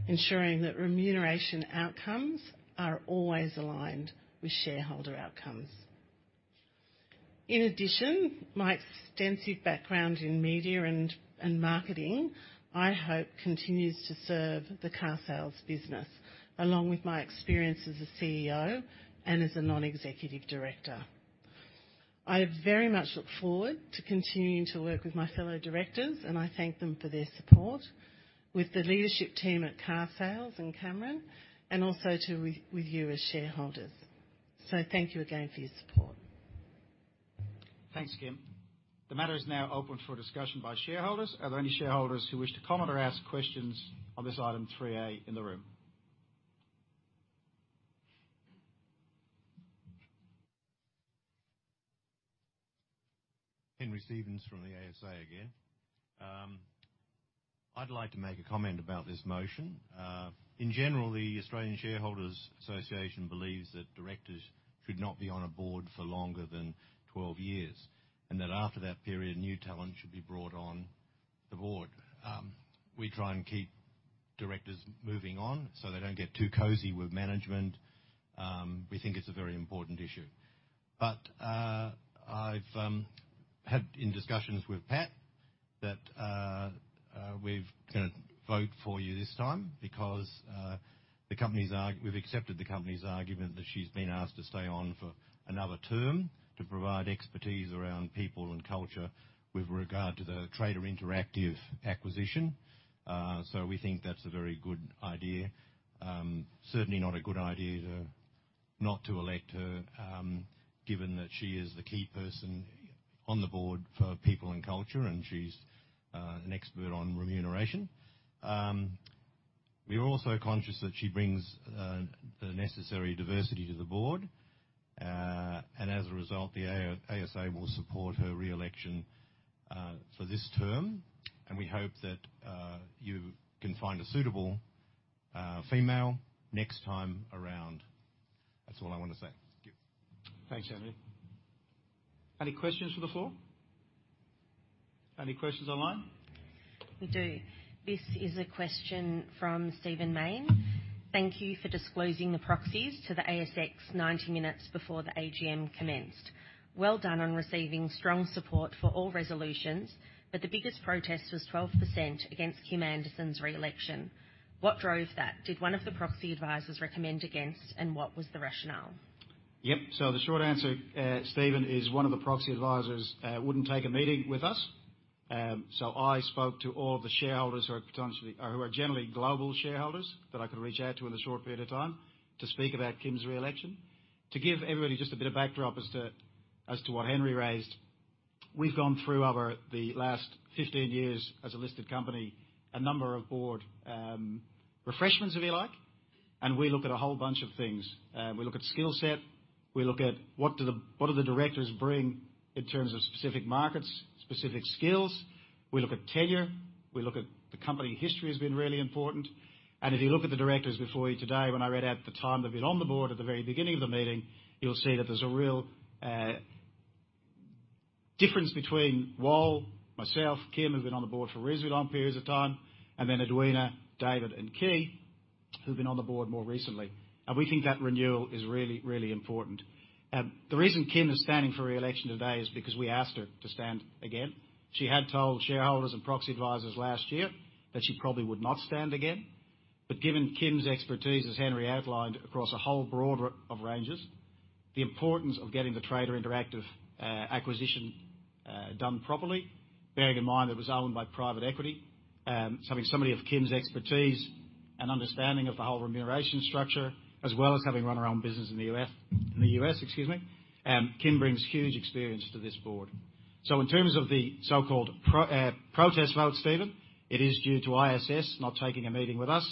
Speaker 7: Ensuring that remuneration outcomes are always aligned with shareholder outcomes. In addition, my extensive background in media and marketing, I hope, continues to serve the carsales business, along with my experience as a CEO and as a non-executive director. I very much look forward to continuing to work with my fellow directors, and I thank them for their support. With the leadership team at carsales and Cameron, and also with you as shareholders. Thank you again for your support.
Speaker 1: Thanks, Kim. The matter is now open for discussion by shareholders. Are there any shareholders who wish to comment or ask questions on this item 3A in the room?
Speaker 5: Henry Stevens from the ASA again. I'd like to make a comment about this motion. In general, the Australian Shareholders' Association believes that directors should not be on a board for longer than 12 years, and that after that period, new talent should be brought on the board. We try and keep directors moving on so they don't get too cozy with management. We think it's a very important issue. I've had discussions with Pat that we're gonna vote for you this time because we've accepted the company's argument that she's been asked to stay on for another term to provide expertise around people and culture with regard to the Trader Interactive acquisition. We think that's a very good idea. Certainly not a good idea not to elect her, given that she is the key person on the board for people and culture, and she's an expert on remuneration. We are also conscious that she brings the necessary diversity to the board. As a result, the ASA will support her re-election for this term, and we hope that you can find a suitable female next time around. That's all I wanna say. Thank you.
Speaker 1: Thanks, Henry. Any questions for the floor? Any questions online?
Speaker 6: We do. This is a question from Stephen Mayne. Thank you for disclosing the proxies to the ASX 90 minutes before the AGM commenced. Well done on receiving strong support for all resolutions, but the biggest protest was 12% against Kim Anderson's re-election. What drove that? Did one of the proxy advisors recommend against, and what was the rationale?
Speaker 1: Yep. The short answer, Stephen, is one of the proxy advisors wouldn't take a meeting with us. I spoke to all the shareholders who are potentially, or who are generally global shareholders that I could reach out to in a short period of time to speak about Kim's re-election. To give everybody just a bit of backdrop as to what Henry raised. We've gone through over the last 15 years as a listed company, a number of board refreshments, if you like, and we look at a whole bunch of things. We look at skill set, we look at what the directors bring in terms of specific markets, specific skills. We look at tenure, we look at the company history has been really important. If you look at the directors before you today, when I read out the time they've been on the board at the very beginning of the meeting, you'll see that there's a real difference between Wal, myself, Kim, who've been on the board for reasonably long periods of time, and then Edwina, David, and Kee, who've been on the board more recently. We think that renewal is really, really important. The reason Kim is standing for re-election today is because we asked her to stand again. She had told shareholders and proxy advisors last year that she probably would not stand again. Given Kim's expertise, as Henry outlined, across a whole broad range of ranges, the importance of getting the Trader Interactive acquisition done properly. Bearing in mind, it was owned by private equity. Having somebody of Kim's expertise and understanding of the whole remuneration structure, as well as having run her own business in the US, Kim brings huge experience to this board. In terms of the so-called protest vote, Stephen, it is due to ISS not taking a meeting with us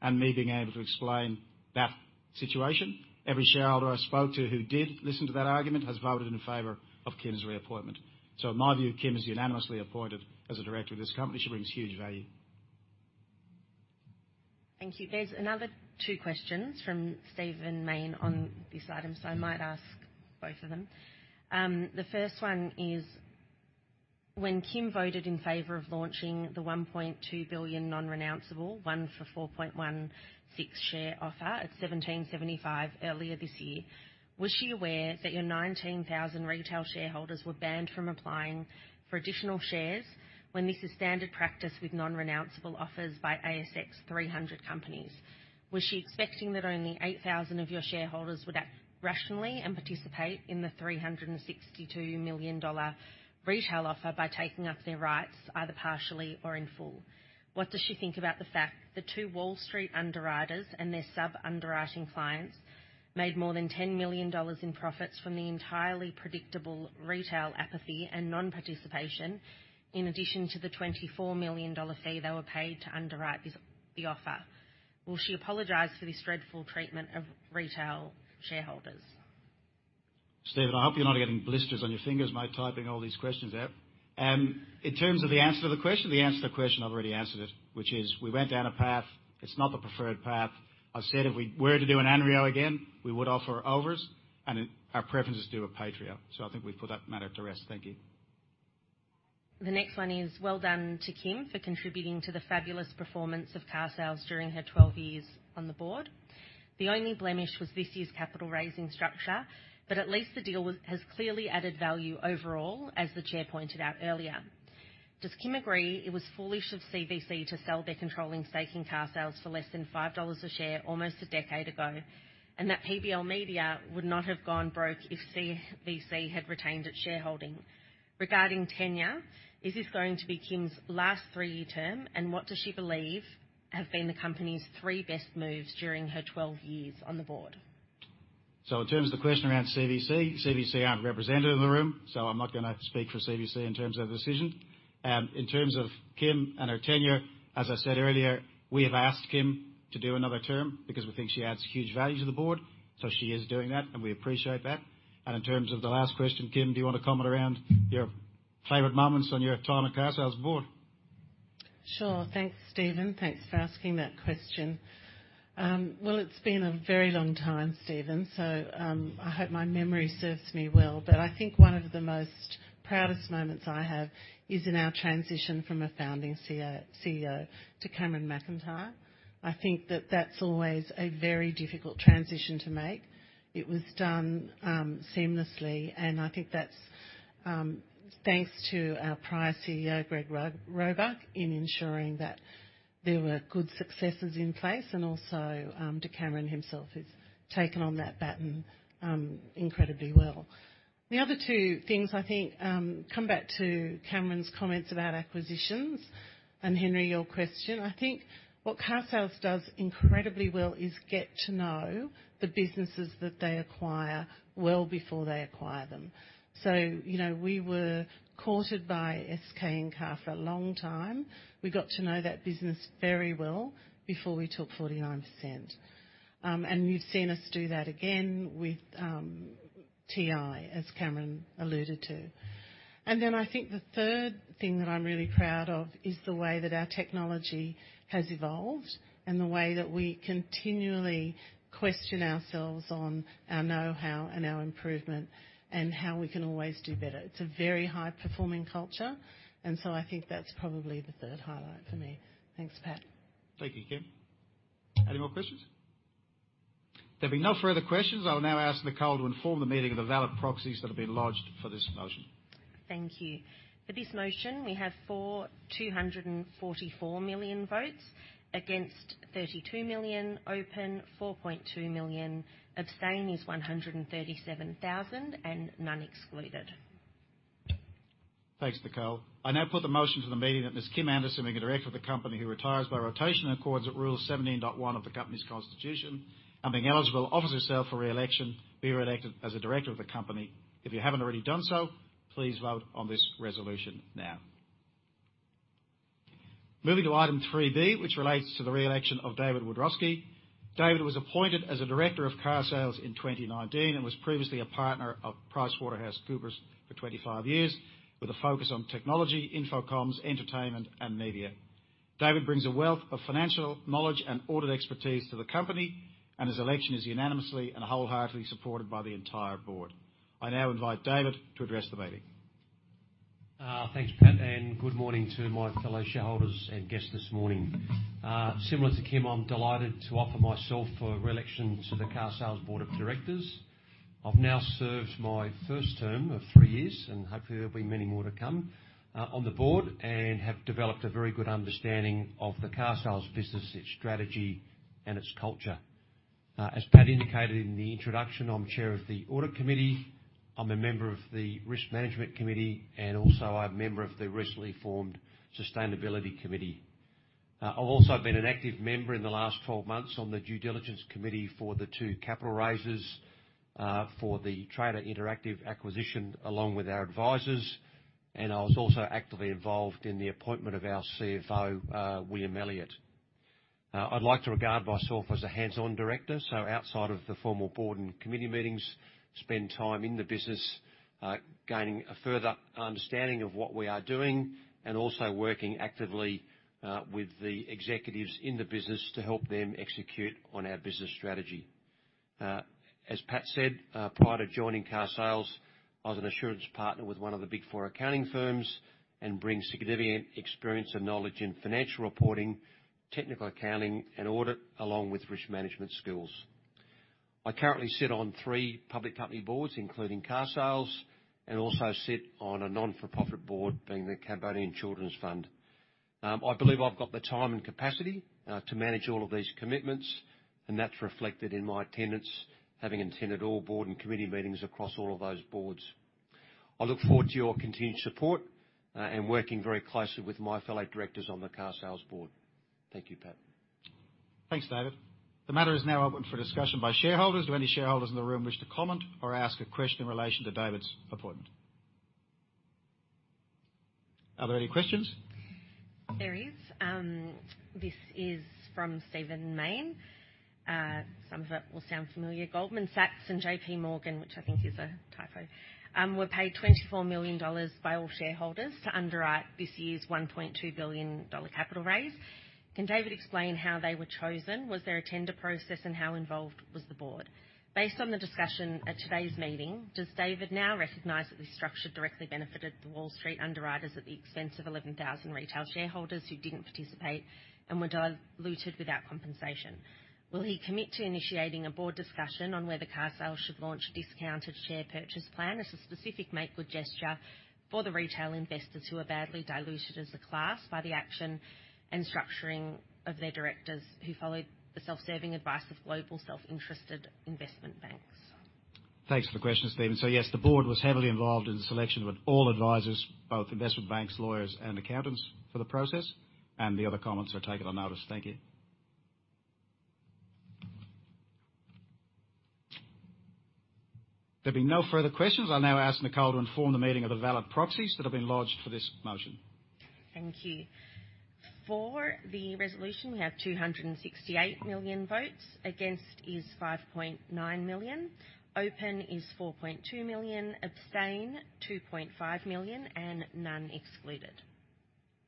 Speaker 1: and me being able to explain that situation. Every shareholder I spoke to who did listen to that argument has voted in favor of Kim's reappointment. In my view, Kim is unanimously appointed as a director of this company. She brings huge value.
Speaker 6: Thank you. There's another two questions from Stephen Mayne on this item, so I might ask both of them. The first one is: When Kim voted in favor of launching the 1.2 billion non-renounceable one for 4.16 share offer at 17.75 earlier this year, was she aware that your 19,000 retail shareholders were banned from applying for additional shares when this is standard practice with non-renounceable offers by ASX 300 companies? Was she expecting that only 8,000 of your shareholders would act rationally and participate in the 362 million dollar retail offer by taking up their rights either partially or in full? What does she think about the fact the two Wall Street underwriters and their sub-underwriting clients made more than $10 million in profits from the entirely predictable retail apathy and non-participation, in addition to the $24 million fee they were paid to underwrite this, the offer? Will she apologize for this dreadful treatment of retail shareholders?
Speaker 1: Stephen, I hope you're not getting blisters on your fingers, mate, typing all these questions out. In terms of the answer to the question, I've already answered it, which is we went down a path. It's not the preferred path. I said if we were to do an ANREO again, we would offer overs, and our preference is to do a PAITREO. I think we've put that matter to rest. Thank you.
Speaker 6: The next one is well done to Kim for contributing to the fabulous performance of carsales during her 12 years on the board. The only blemish was this year's capital raising structure, but at least the deal has clearly added value overall, as the chair pointed out earlier. Does Kim agree it was foolish of CVC to sell their controlling stake in carsales for less than 5 dollars a share almost a decade ago, and that PBL Media would not have gone broke if CVC had retained its shareholding? Regarding tenure, is this going to be Kim's last three-year term, and what does she believe have been the company's three best moves during her 12 years on the board?
Speaker 1: In terms of the question around CVC aren't represented in the room, so I'm not gonna speak for CVC in terms of the decision. In terms of Kim and her tenure, as I said earlier, we have asked Kim to do another term because we think she adds huge value to the board. She is doing that, and we appreciate that. In terms of the last question, Kim, do you want to comment around your favorite moments on your time at carsales board?
Speaker 7: Sure. Thanks, Stephen. Thanks for asking that question. Well, it's been a very long time, Stephen, so I hope my memory serves me well. I think one of the most proudest moments I have is in our transition from a founding CEO to Cameron McIntyre. I think that's always a very difficult transition to make. It was done seamlessly, and I think that's thanks to our prior CEO, Greg Roebuck, in ensuring that there were good successors in place and also to Cameron himself, who's taken on that baton incredibly well. The other two things I think come back to Cameron's comments about acquisitions and Henry, your question. I think what Carsales does incredibly well is get to know the businesses that they acquire well before they acquire them. You know, we were courted by SK Encar for a long time. We got to know that business very well before we took 49%. You've seen us do that again with TI, as Cameron alluded to. Then I think the third thing that I'm really proud of is the way that our technology has evolved and the way that we continually question ourselves on our know-how and our improvement and how we can always do better. It's a very high-performing culture, and so I think that's probably the third highlight for me. Thanks, Pat.
Speaker 1: Thank you, Kim. Any more questions? There being no further questions, I will now ask Nicole to inform the meeting of the valid proxies that have been lodged for this motion.
Speaker 6: Thank you. For this motion, we have for 244 million votes, against 32 million, open 4.2 million, abstain is 137,000, and none excluded.
Speaker 1: Thanks, Nicole. I now put the motion to the meeting that Ms. Kim Anderson, being a director of the company who retires by rotation in accordance with rule 17.1 of the company's constitution and being eligible, offers herself for reelection, be reelected as a director of the company. If you haven't already done so, please vote on this resolution now. Moving to item 3B, which relates to the reelection of David Wiadrowski. David was appointed as a director of carsales in 2019 and was previously a partner of PricewaterhouseCoopers for 25 years with a focus on technology, info comms, entertainment, and media. David brings a wealth of financial knowledge and audit expertise to the company, and his election is unanimously and wholeheartedly supported by the entire board. I now invite David to address the meeting.
Speaker 8: Thanks, Pat, and good morning to my fellow shareholders and guests this morning. Similar to Kim, I'm delighted to offer myself for reelection to the carsales board of directors. I've now served my first term of three years, and hopefully there'll be many more to come on the board and have developed a very good understanding of the carsales business, its strategy, and its culture. As Pat indicated in the introduction, I'm chair of the audit committee, I'm a member of the risk management committee, and also I'm a member of the recently formed sustainability committee. I've also been an active member in the last 12 months on the due diligence committee for the two capital raises for the Trader Interactive acquisition along with our advisors. I was also actively involved in the appointment of our CFO, William Elliott. I'd like to regard myself as a hands-on director. Outside of the formal board and committee meetings, spend time in the business, gaining a further understanding of what we are doing and also working actively, with the executives in the business to help them execute on our business strategy. As Pat said, prior to joining carsales, I was an assurance partner with one of the Big Four accounting firms and bring significant experience and knowledge in financial reporting, technical accounting, and audit, along with risk management skills. I currently sit on three public company boards, including carsales, and also sit on a not-for-profit board being the Cambodian Children's Fund. I believe I've got the time and capacity to manage all of these commitments, and that's reflected in my attendance, having attended all board and committee meetings across all of those boards. I look forward to your continued support, and working very closely with my fellow directors on the carsales board. Thank you, Pat.
Speaker 1: Thanks, David. The matter is now open for discussion by shareholders. Do any shareholders in the room wish to comment or ask a question in relation to David's appointment? Are there any questions?
Speaker 6: There is. This is from Stephen Mayne. Some of it will sound familiar. Goldman Sachs and JPMorgan, which I think is a typo, were paid $24 million by all shareholders to underwrite this year's $1.2 billion capital raise. Can David explain how they were chosen? Was there a tender process, and how involved was the board? Based on the discussion at today's meeting, does David now recognize that this structure directly benefited the Wall Street underwriters at the expense of 11,000 retail shareholders who didn't participate and were diluted without compensation? Will he commit to initiating a board discussion on whether carsales should launch a discounted share purchase plan as a specific make-good gesture for the retail investors who are badly diluted as a class by the action and structuring of their directors who followed the self-serving advice of global self-interested investment banks?
Speaker 8: Thanks for the question, Stephen. Yes, the board was heavily involved in the selection with all advisors, both investment banks, lawyers and accountants for the process, and the other comments are taken on notice. Thank you.
Speaker 1: There being no further questions, I'll now ask Nicole to inform the meeting of the valid proxies that have been lodged for this motion.
Speaker 6: Thank you. For the resolution, we have 268 million votes, against is 5.9 million, open is 4.2 million, abstain 2.5 million, and none excluded.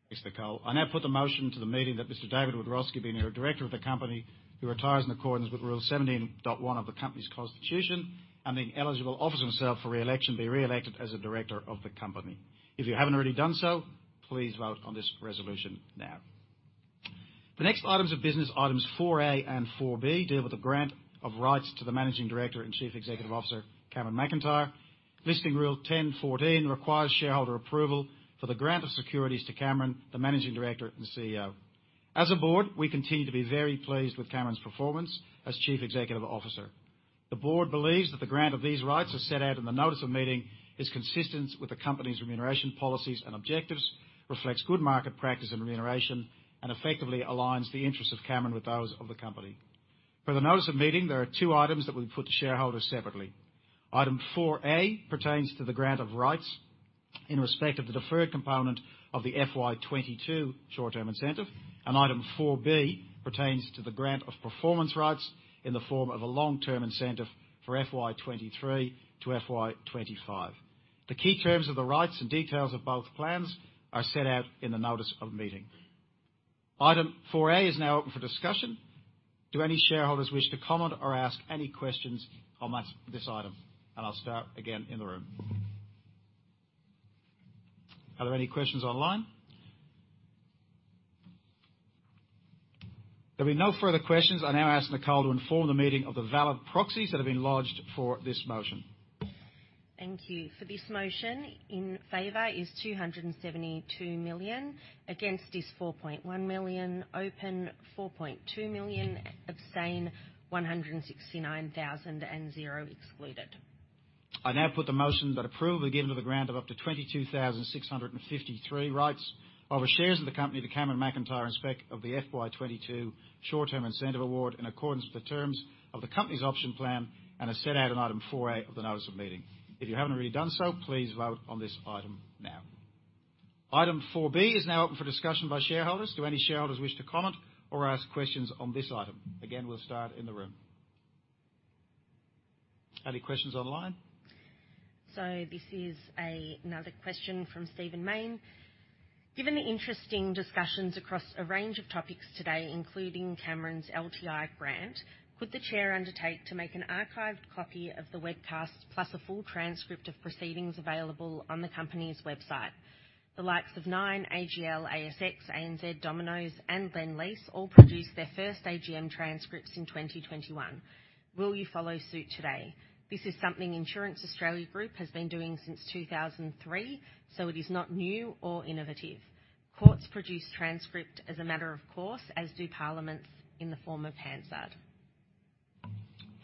Speaker 1: Thanks, Nicole. I now put the motion to the meeting that Mr. David Wiadrowski, being a director of the company who retires in accordance with Article 17.1 of the company's constitution and being eligible offers himself for re-election, be re-elected as a director of the company. If you haven't already done so, please vote on this resolution now. The next items of business, items 4A and 4B, deal with the grant of rights to the Managing Director and Chief Executive Officer, Cameron McIntyre. Listing Rule 10.14 requires shareholder approval for the grant of securities to Cameron, the Managing Director and CEO. As a board, we continue to be very pleased with Cameron's performance as Chief Executive Officer. The board believes that the grant of these rights, as set out in the notice of meeting, is consistent with the company's remuneration policies and objectives, reflects good market practice and remuneration, and effectively aligns the interests of Cameron with those of the company. Per the notice of meeting, there are two items that we put to shareholders separately. Item 4A pertains to the grant of rights in respect of the deferred component of the FY 2022 short-term incentive, and Item 4B pertains to the grant of performance rights in the form of a long-term incentive for FY 2023-FY 2025. The key terms of the rights and details of both plans are set out in the notice of meeting. Item 4A is now open for discussion. Do any shareholders wish to comment or ask any questions on this item? I'll start again in the room. Are there any questions online? There being no further questions, I now ask Nicole to inform the meeting of the valid proxies that have been lodged for this motion.
Speaker 6: Thank you. For this motion, in favor is 272 million, against is 4.1 million, open 4.2 million, abstain 169,000, and zero excluded.
Speaker 1: I now put the motion that approval be given to the grant of up to 22,653 rights over shares of the company to Cameron McIntyre in respect of the FY 2022 short-term incentive award in accordance with the terms of the company's option plan and as set out in item 4A of the notice of meeting. If you haven't already done so, please vote on this item now. Item 4B is now open for discussion by shareholders. Do any shareholders wish to comment or ask questions on this item? Again, we'll start in the room. Any questions online?
Speaker 6: This is another question from Stephen Mayne. Given the interesting discussions across a range of topics today, including Cameron's LTI grant, could the chair undertake to make an archived copy of the webcast plus a full transcript of proceedings available on the company's website? The likes of Nine, AGL, ASX, ANZ, Domino's, and LendLease all produced their first AGM transcripts in 2021. Will you follow suit today? This is something Insurance Australia Group has been doing since 2003, so it is not new or innovative. Courts produce transcript as a matter of course, as do parliaments in the form of Hansard.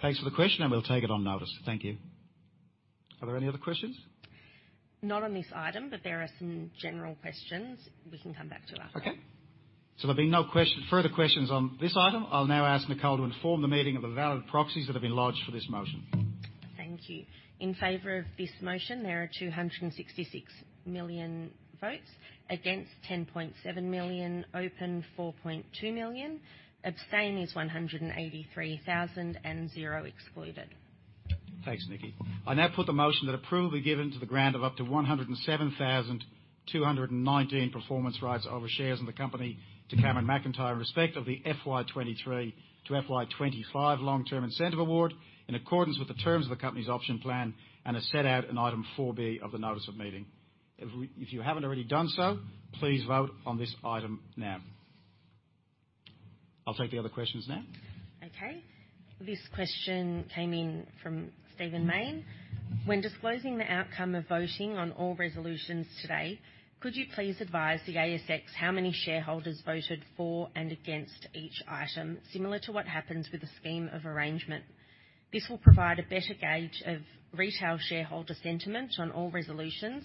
Speaker 1: Thanks for the question, and we'll take it on notice. Thank you. Are there any other questions?
Speaker 6: Not on this item, but there are some general questions we can come back to after.
Speaker 1: There'll be no further questions on this item. I'll now ask Nicole to inform the meeting of the valid proxies that have been lodged for this motion.
Speaker 6: Thank you. In favor of this motion, there are 266 million votes, against 10.7 million, open 4.2 million, abstain is 183,000, and zero excluded.
Speaker 1: Thanks, Nicole. I now put the motion that approval be given to the grant of up to 107,219 performance rights over shares in the company to Cameron McIntyre in respect of the FY 2023-FY 2025 long-term incentive award, in accordance with the terms of the company's option plan and as set out in item 4B of the notice of meeting. If you haven't already done so, please vote on this item now. I'll take the other questions now.
Speaker 6: Okay. This question came in from Stephen Mayne. When disclosing the outcome of voting on all resolutions today, could you please advise the ASX how many shareholders voted for and against each item, similar to what happens with a scheme of arrangement? This will provide a better gauge of retail shareholder sentiment on all resolutions,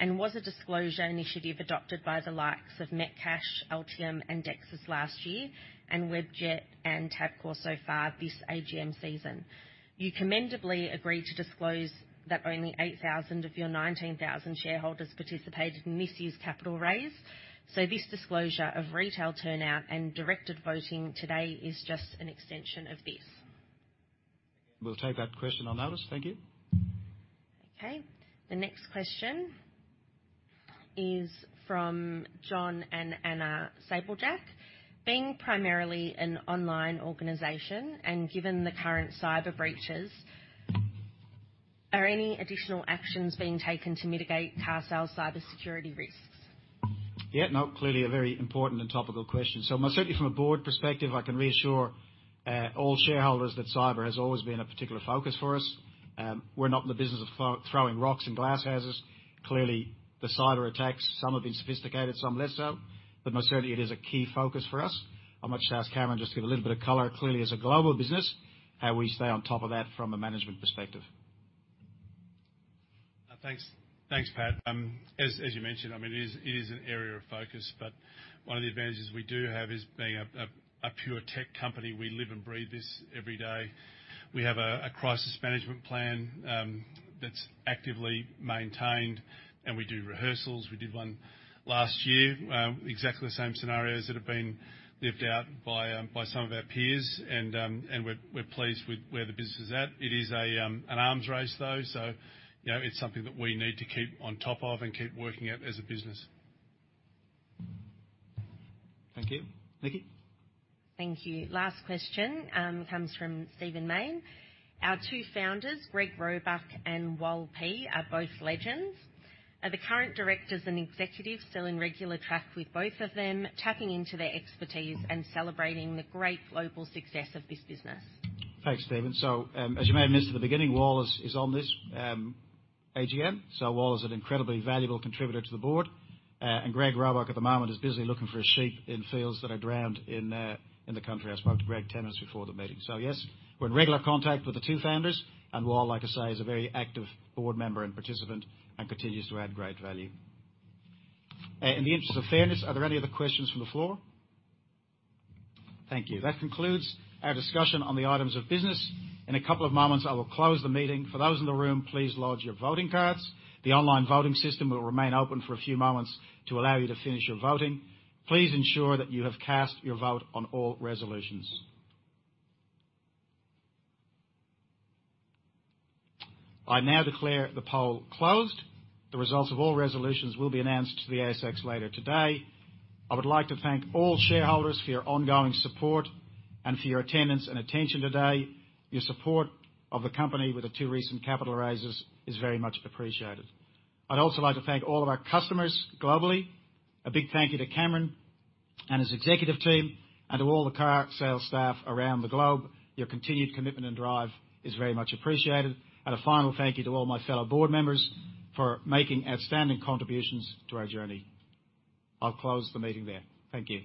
Speaker 6: and was a disclosure initiative adopted by the likes of Metcash, Altium, and Dexus last year, and Webjet and Tabcorp so far this AGM season. You commendably agreed to disclose that only 8,000 of your 19,000 shareholders participated in this year's capital raise. This disclosure of retail turnout and directed voting today is just an extension of this.
Speaker 1: We'll take that question on notice. Thank you.
Speaker 6: Okay. The next question is from John and Anna Sabljak. Being primarily an online organization and given the current cyber breaches, are any additional actions being taken to mitigate carsales cybersecurity risks?
Speaker 1: Yeah, no, clearly a very important and topical question. Most certainly from a board perspective, I can reassure all shareholders that cyber has always been a particular focus for us. We're not in the business of throwing rocks in glass houses. Clearly, the cyberattacks, some have been sophisticated, some less so, but most certainly it is a key focus for us. I might just ask Cameron just to give a little bit of color, clearly as a global business, how we stay on top of that from a management perspective.
Speaker 2: Thanks, Pat. As you mentioned, I mean, it is an area of focus, but one of the advantages we do have is being a pure tech company. We live and breathe this every day. We have a crisis management plan that's actively maintained, and we do rehearsals. We did one last year, exactly the same scenarios that have been lived out by some of our peers, and we're pleased with where the business is at. It is an arms race, though, so you know, it's something that we need to keep on top of and keep working at as a business.
Speaker 1: Thank you. Nicole?
Speaker 6: Thank you. Last question comes from Stephen Mayne. Our two founders, Greg Roebuck and Walter Pisciotta are both legends. Are the current directors and executives still in regular touch with both of them, tapping into their expertise and celebrating the great global success of this business?
Speaker 1: Thanks, Stephen. As you may have missed at the beginning, Walter Pisciotta is on this AGM. Walter Pisciotta is an incredibly valuable contributor to the board. Greg Roebuck at the moment is busily looking for his sheep in fields that are drowned in the country. I spoke to Greg ten minutes before the meeting. We're in regular contact with the two founders, and Walter Pisciotta, like I say, is a very active board member and participant and continues to add great value. In the interest of fairness, are there any other questions from the floor? Thank you. That concludes our discussion on the items of business. In a couple of moments, I will close the meeting. For those in the room, please lodge your voting cards. The online voting system will remain open for a few moments to allow you to finish your voting. Please ensure that you have cast your vote on all resolutions. I now declare the poll closed. The results of all resolutions will be announced to the ASX later today. I would like to thank all shareholders for your ongoing support and for your attendance and attention today. Your support of the company with the two recent capital raises is very much appreciated. I'd also like to thank all of our customers globally. A big thank you to Cameron and his executive team and to all the carsales staff around the globe. Your continued commitment and drive is very much appreciated. A final thank you to all my fellow board members for making outstanding contributions to our journey. I'll close the meeting there. Thank you.